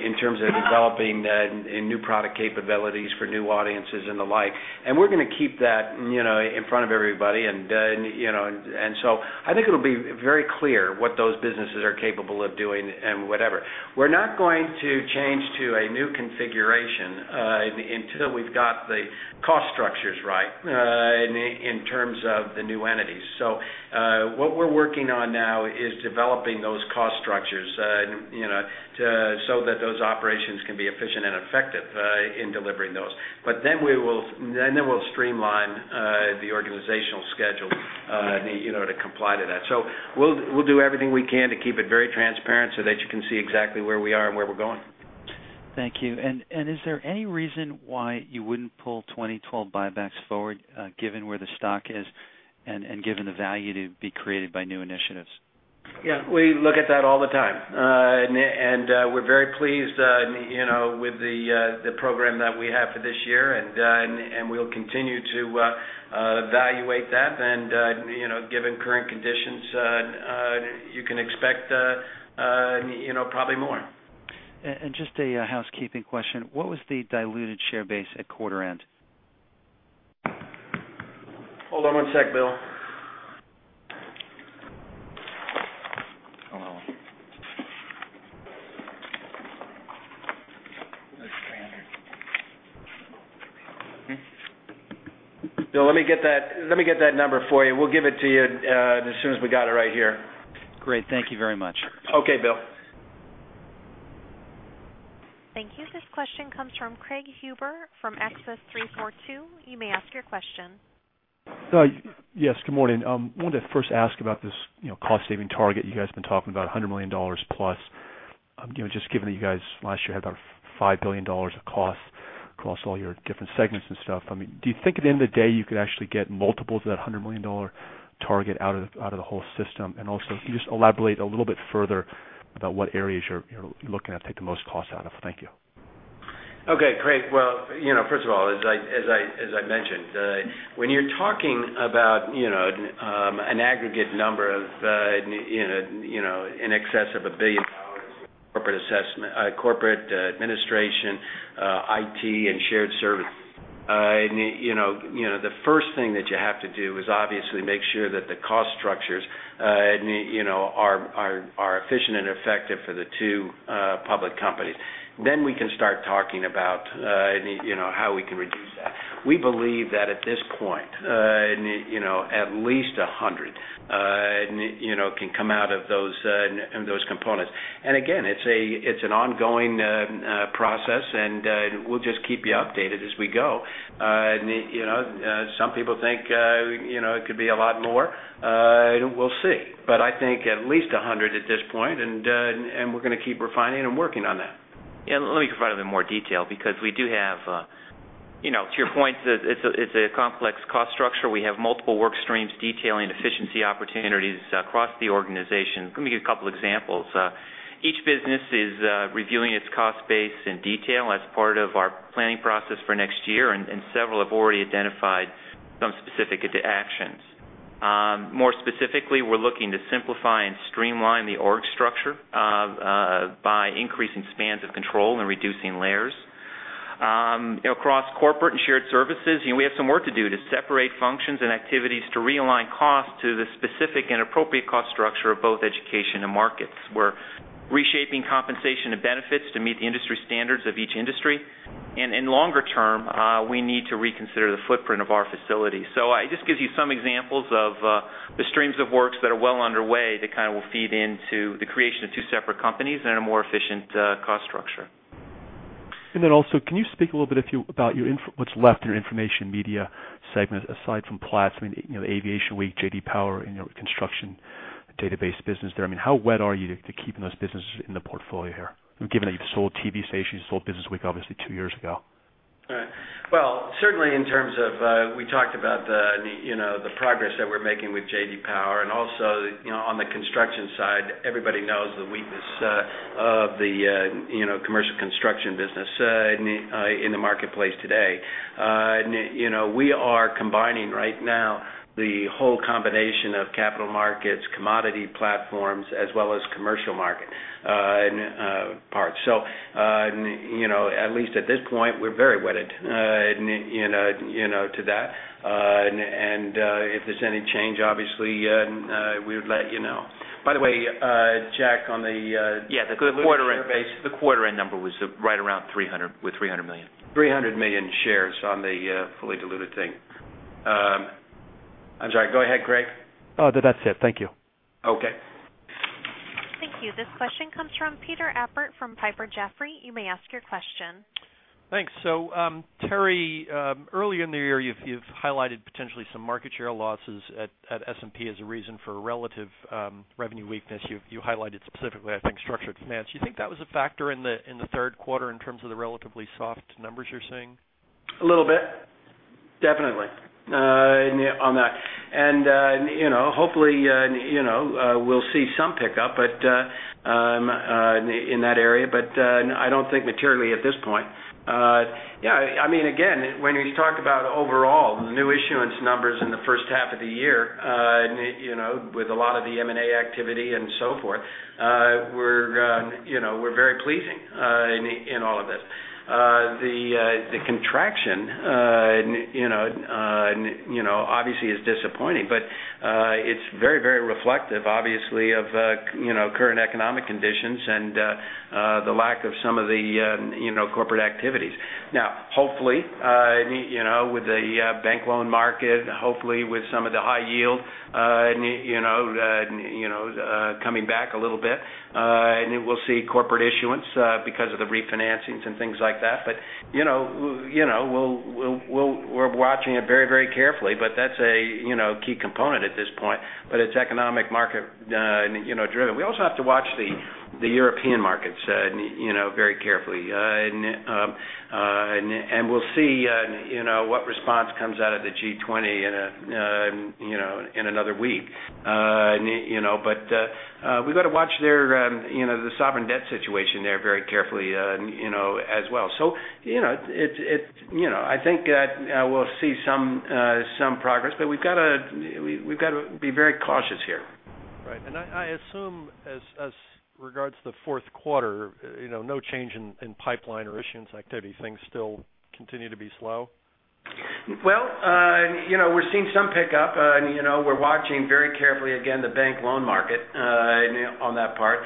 in terms of developing new product capabilities for new audiences and the like. We're going to keep that in front of everybody. I think it'll be very clear what those businesses are capable of doing and whatever. We're not going to change to a new configuration until we've got the cost structures right in terms of the new entities. What we're working on now is developing those cost structures so that those operations can be efficient and effective in delivering those. Then we'll streamline the organizational schedule to comply to that. We'll do everything we can to keep it very transparent so that you can see exactly where we are and where we're going. Thank you. Is there any reason why you wouldn't pull 2012 buybacks forward, given where the stock is and given the value to be created by new initiatives? We look at that all the time. We are very pleased with the program that we have for this year, and we'll continue to evaluate that. Given current conditions, you can expect probably more. Just a housekeeping question. What was the diluted share base at quarter end? Hold on one sec, Bill. Let me get that number for you. We'll give it to you as soon as we got it right here. Great. Thank you very much. Okay, Bill. Thank you. This question comes from Craig Huber from Access 342. You may ask your question. Yes, good morning. I wanted to first ask about this cost-saving target you guys have been talking about, $100 million plus. Just given that you guys last year had about $5 billion of costs across all your different segments and stuff, do you think at the end of the day you could actually get multiples of that $100 million target out of the whole system? Also, could you elaborate a little bit further about what areas you're looking at to take the most cost out of? Thank you. Okay, Craig. First of all, as I mentioned, when you're talking about an aggregate number of in excess of $1 billion for corporate administration, IT, and shared services, the first thing that you have to do is obviously make sure that the cost structures are efficient and effective for the two public companies. After that, we can start talking about how we can reduce that. We believe that at this point, at least $100 million can come out of those components. Again, it's an ongoing process, and we'll just keep you updated as we go. Some people think it could be a lot more. We'll see. I think at least $100 million at this point, and we're going to keep refining and working on that. Yeah. Let me go find a little bit more detail because we do have, to your point, it's a complex cost structure. We have multiple work streams detailing efficiency opportunities across the organization. Let me give you a couple of examples. Each business is reviewing its cost base in detail as part of our planning process for next year, and several have already identified some specific actions. More specifically, we're looking to simplify and streamline the org structure by increasing spans of control and reducing layers. Across corporate and shared services, we have some work to do to separate functions and activities to realign costs to the specific and appropriate cost structure of both education and markets. We're reshaping compensation and benefits to meet the industry standards of each industry. In longer term, we need to reconsider the footprint of our facilities. It just gives you some examples of the streams of work that are well underway that will feed into the creation of two separate companies and a more efficient cost structure. Can you speak a little bit about what's left in your information media segments aside from Platts? I mean, Aviation Week, J.D. Power, and your construction database business there. How wedded are you to keeping those businesses in the portfolio here, given that you've sold TV stations, you sold Business Week obviously two years ago? Certainly in terms of we talked about the progress that we're making with J.D. Power and also on the construction side. Everybody knows the weakness of the commercial construction business in the marketplace today. We are combining right now the whole combination of capital markets, commodity platforms, as well as commercial market parts. At least at this point, we're very wetted to that. If there's any change, obviously we would let you know. By the way, Jack, on the quarter end base. The quarter end number was right around with $300 million. $300 million shares on the fully diluted thing. I'm sorry. Go ahead, Craig. Oh, that's it. Thank you. Okay. Thank you. This question comes from Peter Appert from Piper Jaffray. You may ask your question. Thanks. Terry, earlier in the year, you've highlighted potentially some market share losses at S&P as a reason for relative revenue weakness. You highlighted specifically, I think, structured finance. Do you think that was a factor in the third quarter in terms of the relatively soft numbers you're seeing? Definitely on that. Hopefully, we'll see some pickup in that area, but I don't think materially at this point. When he's talking about overall the new issuance numbers in the first half of the year, with a lot of the M&A activity and so forth, we're very pleased in all of this. The contraction obviously is disappointing, but it's very, very reflective of current economic conditions and the lack of some of the corporate activities. Hopefully, with the bank loan market, and hopefully with some of the high yield coming back a little bit, we'll see corporate issuance because of the refinancings and things like that. We're watching it very, very carefully, and that's a key component at this point. It's economic market-driven. We also have to watch the European markets very carefully. We'll see what response comes out of the G20 in another week. We've got to watch the sovereign debt situation there very carefully as well. I think we'll see some progress, but we've got to be very cautious here. Right. I assume as regards to the fourth quarter, no change in pipeline or issuance activity. Things still continue to be slow? We're seeing some pickup. We're watching very carefully again the bank loan market on that part.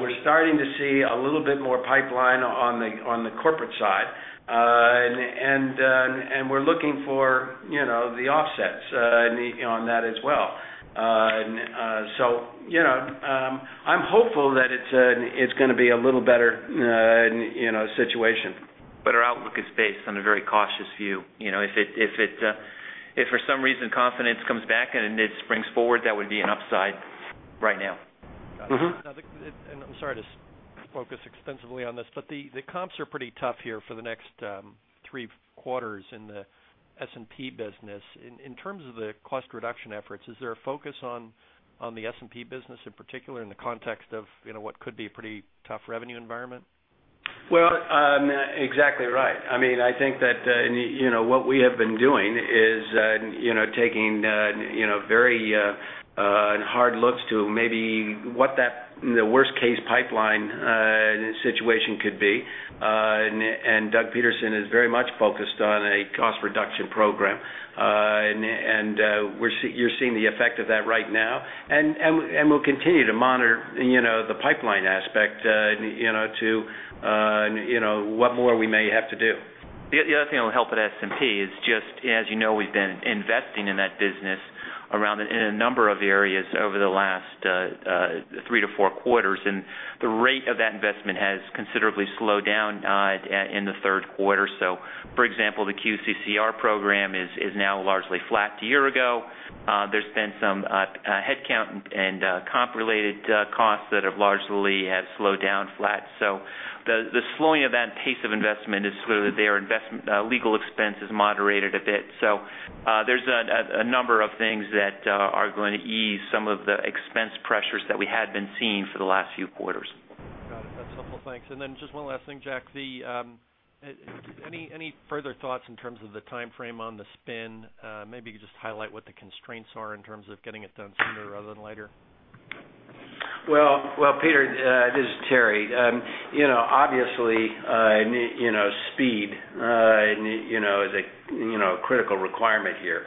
We're starting to see a little bit more pipeline on the corporate side, and we're looking for the offsets on that as well. I'm hopeful that it's going to be a little better situation. Our outlook is based on a very cautious view. If for some reason confidence comes back and it springs forward, that would be an upside right now. I'm sorry to focus extensively on this, but the comps are pretty tough here for the next three quarters in the S&P business. In terms of the cost reduction efforts, is there a focus on the S&P business in particular in the context of what could be a pretty tough revenue environment? I mean, I think that what we have been doing is taking very hard looks to maybe what that worst-case pipeline situation could be. Doug Peterson is very much focused on a cost reduction program, and you're seeing the effect of that right now. We'll continue to monitor the pipeline aspect to what more we may have to do. The other thing that'll help at S&P is just, as you know, we've been investing in that business in a number of areas over the last three to four quarters, and the rate of that investment has considerably slowed down in the third quarter. For example, the QCCR program is now largely flat. A year ago, there's been some headcount and comp-related costs that have largely slowed down flat. The slowing of that pace of investment is where their legal expense is moderated a bit. There are a number of things that are going to ease some of the expense pressures that we had been seeing for the last few quarters. Got it. That's helpful. Thanks. Just one last thing, Jack. Any further thoughts in terms of the timeframe on the spin? Maybe you could just highlight what the constraints are in terms of getting it done sooner rather than later. Peter, this is Terry. Obviously, speed is a critical requirement here.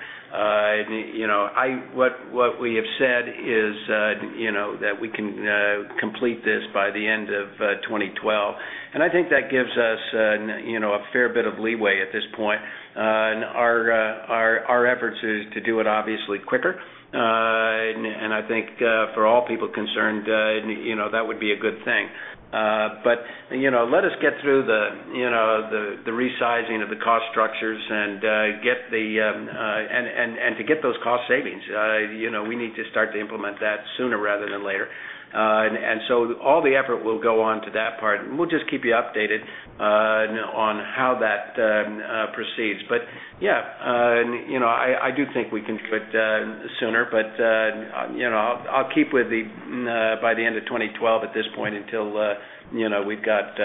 What we have said is that we can complete this by the end of 2012, and I think that gives us a fair bit of leeway at this point. Our efforts are to do it obviously quicker. I think for all people concerned, that would be a good thing. Let us get through the resizing of the cost structures and to get those cost savings. We need to start to implement that sooner rather than later. All the effort will go on to that part, and we'll just keep you updated on how that proceeds. I do think we can do it sooner, but I'll keep with the by the end of 2012 at this point until we've got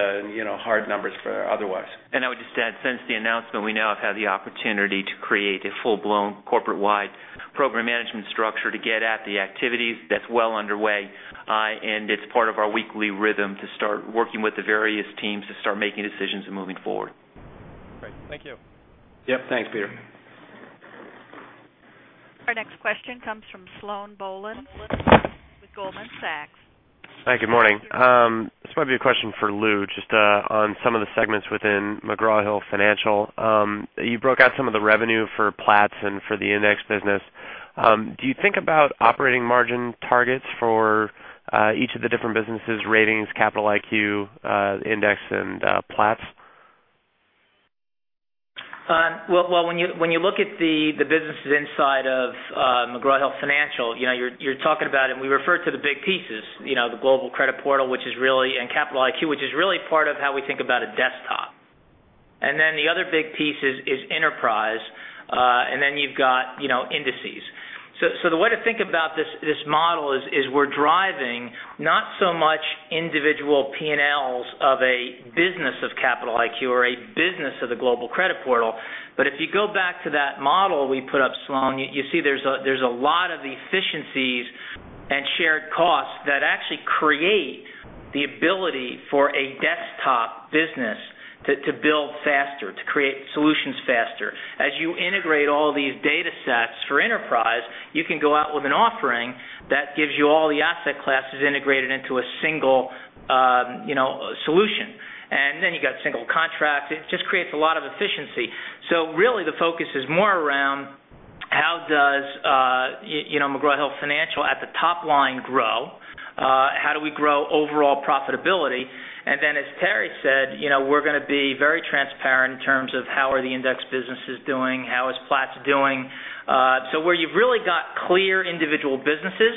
hard numbers for otherwise. I would just add, since the announcement, we now have had the opportunity to create a full-blown corporate-wide program management structure to get at the activities. That's well underway, and it's part of our weekly rhythm to start working with the various teams to start making decisions and moving forward. Great. Thank you. Yep. Thanks, Peter. Our next question comes from Sloan Bolland with Goldman Sachs. Hi. Good morning. This might be a question for Lou, just on some of the segments within McGraw-Hill Financial. You broke out some of the revenue for Platts and for the index business. Do you think about operating margin targets for each of the different businesses, ratings, Capital IQ, index, and Platts? When you look at the businesses inside of McGraw-Hill Financial, you're talking about, and we refer to the big pieces, the Global Credit Portal, which is really, and S&P Capital IQ, which is really part of how we think about a desktop. The other big piece is enterprise, and then you've got indices. The way to think about this model is we're driving not so much individual P&Ls of a business of S&P Capital IQ or a business of the Global Credit Portal, but if you go back to that model we put up, Sloan, you see there's a lot of efficiencies and shared costs that actually create the ability for a desktop business to build faster, to create solutions faster. As you integrate all these data sets for enterprise, you can go out with an offering that gives you all the asset classes integrated into a single solution. You've got single contracts. It just creates a lot of efficiency. The focus is more around how does McGraw-Hill Financial at the top line grow? How do we grow overall profitability? As Terry said, we're going to be very transparent in terms of how are the index businesses doing, how is Platts doing. Where you've really got clear individual businesses,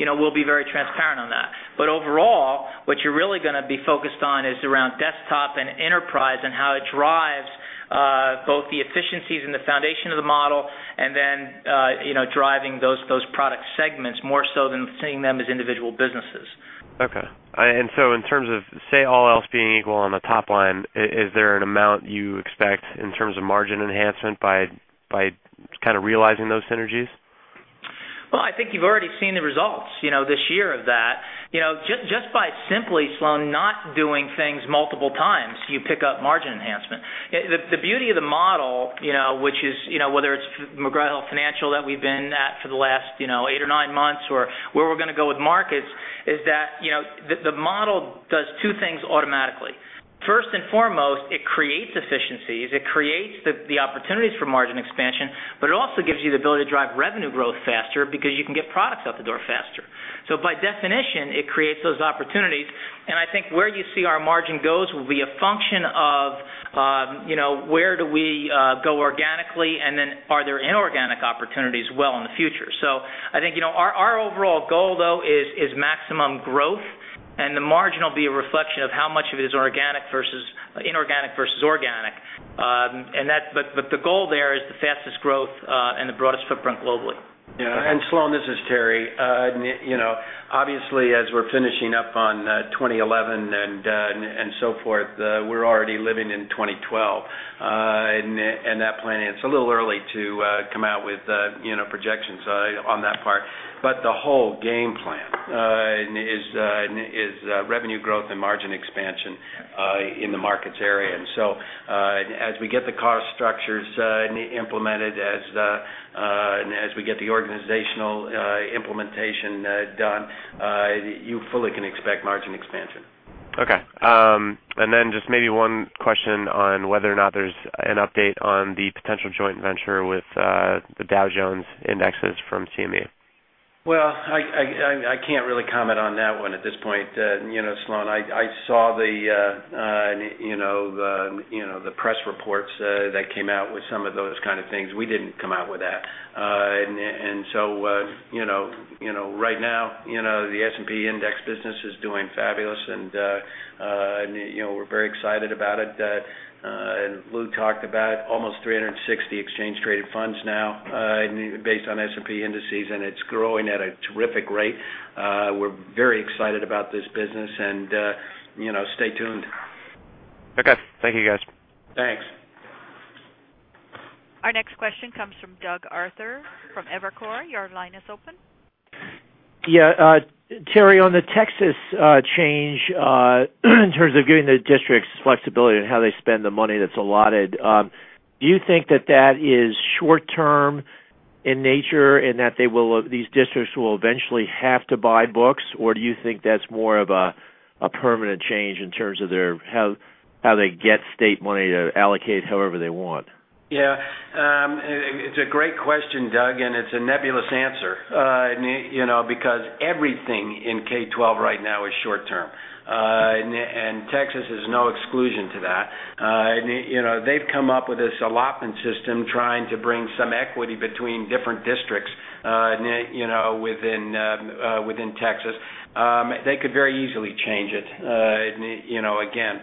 we'll be very transparent on that. Overall, what you're really going to be focused on is around desktop and enterprise and how it drives both the efficiencies and the foundation of the model and then driving those product segments more so than seeing them as individual businesses. Okay. In terms of, say, all else being equal on the top line, is there an amount you expect in terms of margin enhancement by kind of realizing those synergies? I think you've already seen the results this year of that. Just by simply, Sloan, not doing things multiple times, you pick up margin enhancement. The beauty of the model, which is whether it's McGraw-Hill Financial that we've been at for the last eight or nine months or where we're going to go with markets, is that the model does two things automatically. First and foremost, it creates efficiencies. It creates the opportunities for margin expansion, but it also gives you the ability to drive revenue growth faster because you can get products out the door faster. By definition, it creates those opportunities. I think where you see our margin goes will be a function of where do we go organically and then are there inorganic opportunities well in the future. I think our overall goal, though, is maximum growth, and the margin will be a reflection of how much of it is organic versus inorganic versus organic. The goal there is the fastest growth and the broadest footprint globally. Yeah. Sloan, this is Terry. Obviously, as we're finishing up on 2011 and so forth, we're already living in 2012, and that planning, it's a little early to come out with projections on that part. The whole game plan is revenue growth and margin expansion in the markets area. As we get the cost structures implemented, as we get the organizational implementation done, you fully can expect margin expansion. Okay. Maybe one question on whether or not there's an update on the potential joint venture with the Dow Jones indexes from CME. I can't really comment on that one at this point, Sloan. I saw the press reports that came out with some of those kind of things. We didn't come out with that. Right now, the S&P Indices business is doing fabulous, and we're very excited about it. Lou talked about almost 360 exchange-traded funds now based on S&P Indices, and it's growing at a terrific rate. We're very excited about this business, and stay tuned. Okay. Thank you, guys. Thanks. Our next question comes from Doug Arthur from Evercore. Your line is open. Yeah. Terry, on the Texas change in terms of giving the districts flexibility in how they spend the money that's allotted, do you think that is short-term in nature and that these districts will eventually have to buy books, or do you think that's more of a permanent change in terms of how they get state money to allocate however they want? Yeah. It's a great question, Doug, and it's a nebulous answer because everything in K-12 right now is short-term, and Texas is no exception to that. They've come up with this allotment system, trying to bring some equity between different districts within Texas. They could very easily change it again.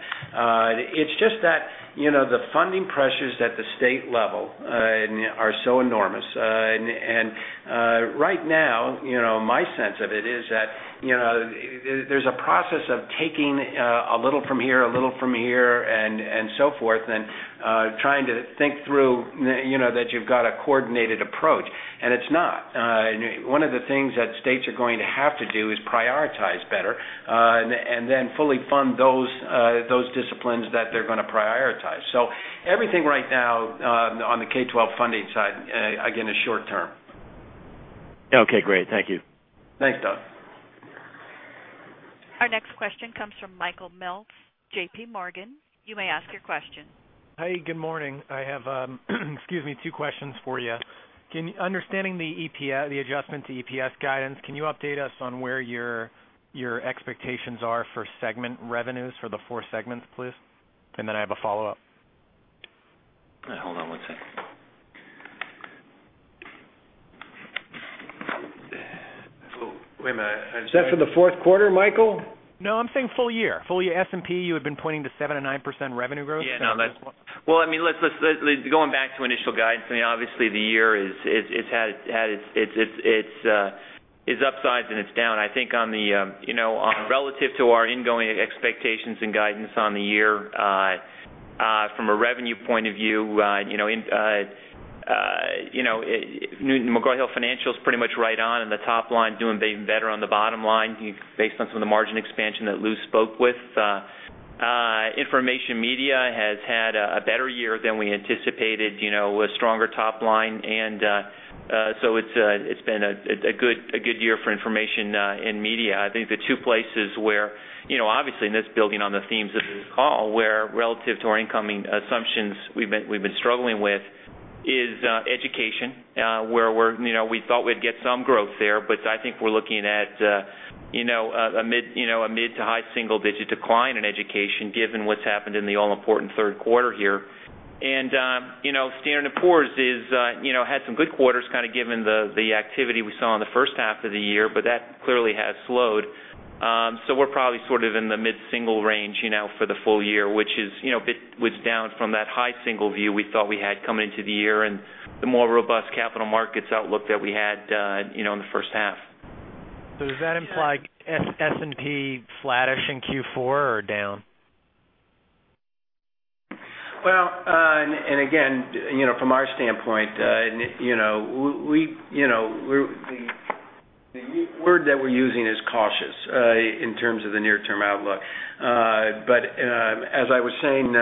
The funding pressures at the state level are so enormous. Right now, my sense of it is that there's a process of taking a little from here, a little from here, and so forth, and trying to think through that you've got a coordinated approach, and it's not. One of the things that states are going to have to do is prioritize better and then fully fund those disciplines that they're going to prioritize. Everything right now on the K-12 funding side, again, is short-term. Okay, great. Thank you. Thanks, Doug. Our next question comes from Michael Meltz of JP Morgan. You may ask your question. Good morning. I have two questions for you. Understanding the adjustment to EPS guidance, can you update us on where your expectations are for segment revenues for the four segments, please? I have a follow-up. Hold on one sec. Wait a minute. Is that for the fourth quarter, Michael? No, I'm saying full year. Full year. S&P, you had been pointing to 7%-9% revenue growth. Yeah. Going back to initial guidance, obviously, the year has had its upsides and its downs. I think relative to our ingoing expectations and guidance on the year, from a revenue point of view, McGraw-Hill Financial is pretty much right on in the top line, doing even better on the bottom line based on some of the margin expansion that Lou spoke with. Information Media has had a better year than we anticipated, a stronger top line, and it's been a good year for information and media. I think the two places where, obviously, and that's building on the themes of this call, where relative to our incoming assumptions we've been struggling with is education, where we thought we'd get some growth there, but I think we're looking at a mid-to-high single-digit decline in education given what's happened in the all-important third quarter here. Standard & Poor’s had some good quarters kind of given the activity we saw in the first half of the year, but that clearly has slowed. We're probably sort of in the mid-single range for the full year, which is down from that high single view we thought we had coming into the year and the more robust capital markets outlook that we had in the first half. Does that imply S&P flattish in Q4 or down? From our standpoint, the word that we're using is cautious, in terms of the near-term outlook. As I was saying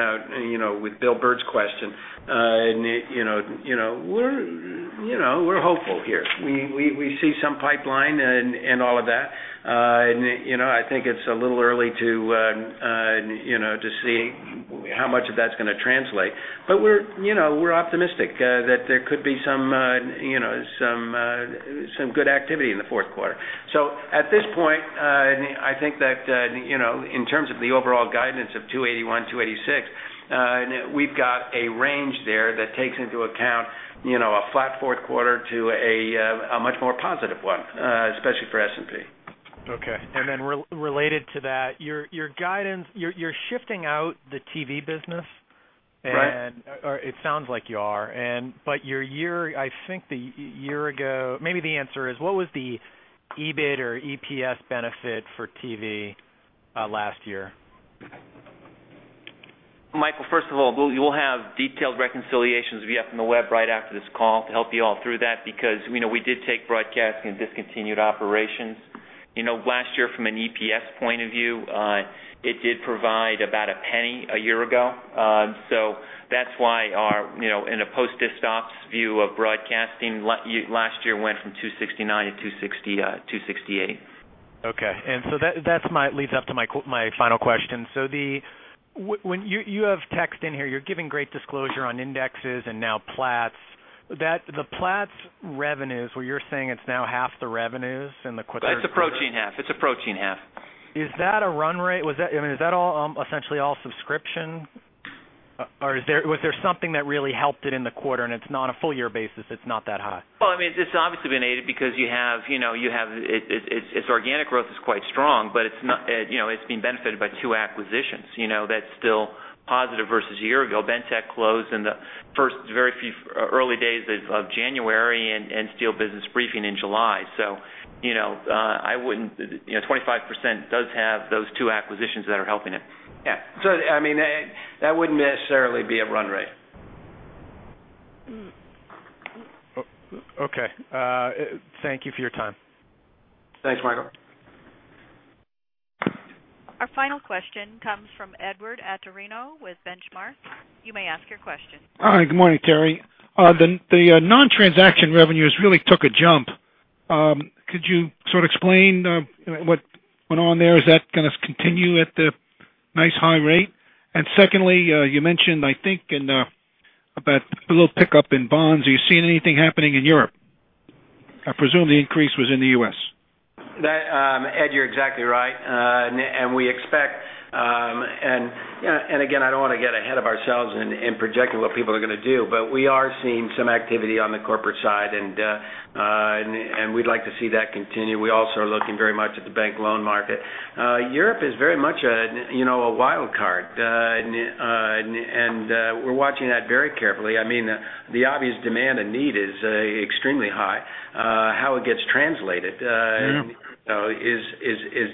with Bill Burns' question, we're hopeful here. We see some pipeline and all of that. I think it's a little early to see how much of that's going to translate. We're optimistic that there could be some good activity in the fourth quarter. At this point, in terms of the overall guidance of $281 million, $286 million, we've got a range there that takes into account a flat fourth quarter to a much more positive one, especially for S&P. Okay. Related to that, your guidance, you're shifting out the TV business. Right. It sounds like you are. I think the year ago, maybe the answer is what was the EBIT or EPS benefit for TV last year? Michael, first of all, we'll have detailed reconciliations via the web right after this call to help you all through that because, you know, we did take broadcasting and discontinued operations. Last year from an EPS point of view, it did provide about a penny a year ago. That's why our, you know, in a post-dis-ops view of broadcasting, last year went from $2.69 to $2.68. Okay. That leads up to my final question. When you have text in here, you're giving great disclosure on indexes and now Platts. The Platts revenues, where you're saying it's now half the revenues in the quarter. That's the protein half. It's a protein half. Is that a run rate? Was that, I mean, is that all, essentially all subscription? Or is there, was there something that really helped it in the quarter, and it's not a full year basis, it's not that high? It's obviously been aided because you have, you know, it's organic growth is quite strong, but it's not, you know, it's been benefited by two acquisitions, you know, that's still positive versus a year ago. Bentek closed in the first very few early days of January and Steel Business Briefing in July. I wouldn't, you know, 25% does have those two acquisitions that are helping it. Yeah. I mean, that wouldn't necessarily be a run rate. Okay. Thank you for your time. Thanks, Michael. Our final question comes from Edward Atorino with Benchmark. You may ask your question. All right. Good morning, Terry. The non-transaction revenues really took a jump. Could you sort of explain what went on there? Is that going to continue at the nice high rate? Secondly, you mentioned, I think, in about below pickup in bonds. Are you seeing anything happening in Europe? I presume the increase was in the U.S. That, Ed, you're exactly right. We expect, and you know, I don't want to get ahead of ourselves in projecting what people are going to do, but we are seeing some activity on the corporate side, and we'd like to see that continue. We also are looking very much at the bank loan market. Europe is very much a wild card. We're watching that very carefully. The obvious demand and need is extremely high. How it gets translated is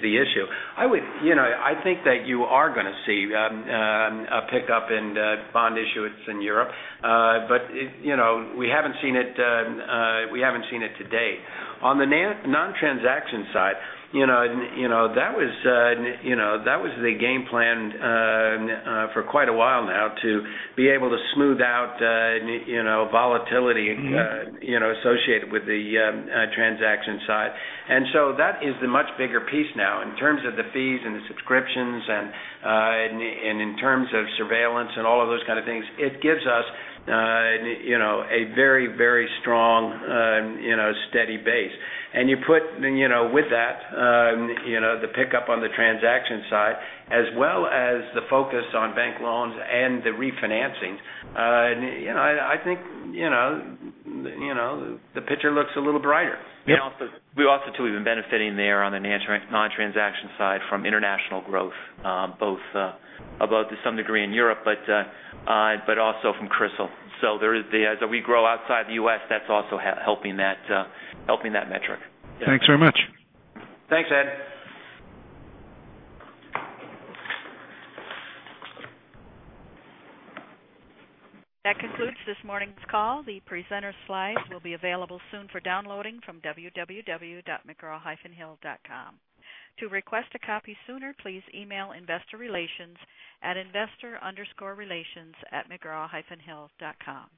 the issue. I think that you are going to see a pickup in bond issuance in Europe. We haven't seen it, we haven't seen it today. On the non-transaction side, that was the game plan for quite a while now to be able to smooth out volatility associated with the transaction side. That is the much bigger piece now in terms of the fees and the subscriptions and in terms of surveillance and all of those kinds of things. It gives us a very, very strong, steady base. You put, with that, the pickup on the transaction side, as well as the focus on bank loans and the refinancings, and I think the picture looks a little brighter. We also have been benefiting there on the non-transaction side from international growth, both to some degree in Europe, but also from CRISL. As we grow outside the U.S., that's also helping that metric. Thanks very much. Thanks, Ed. That concludes this morning's call. The presenter slides will be available soon for downloading from www.mcgraw-hill.com. To request a copy sooner, please email Investor Relations at investor-relations@mcgraw-hill.com.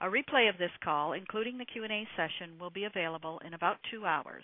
A replay of this call, including the Q&A session, will be available in about two hours.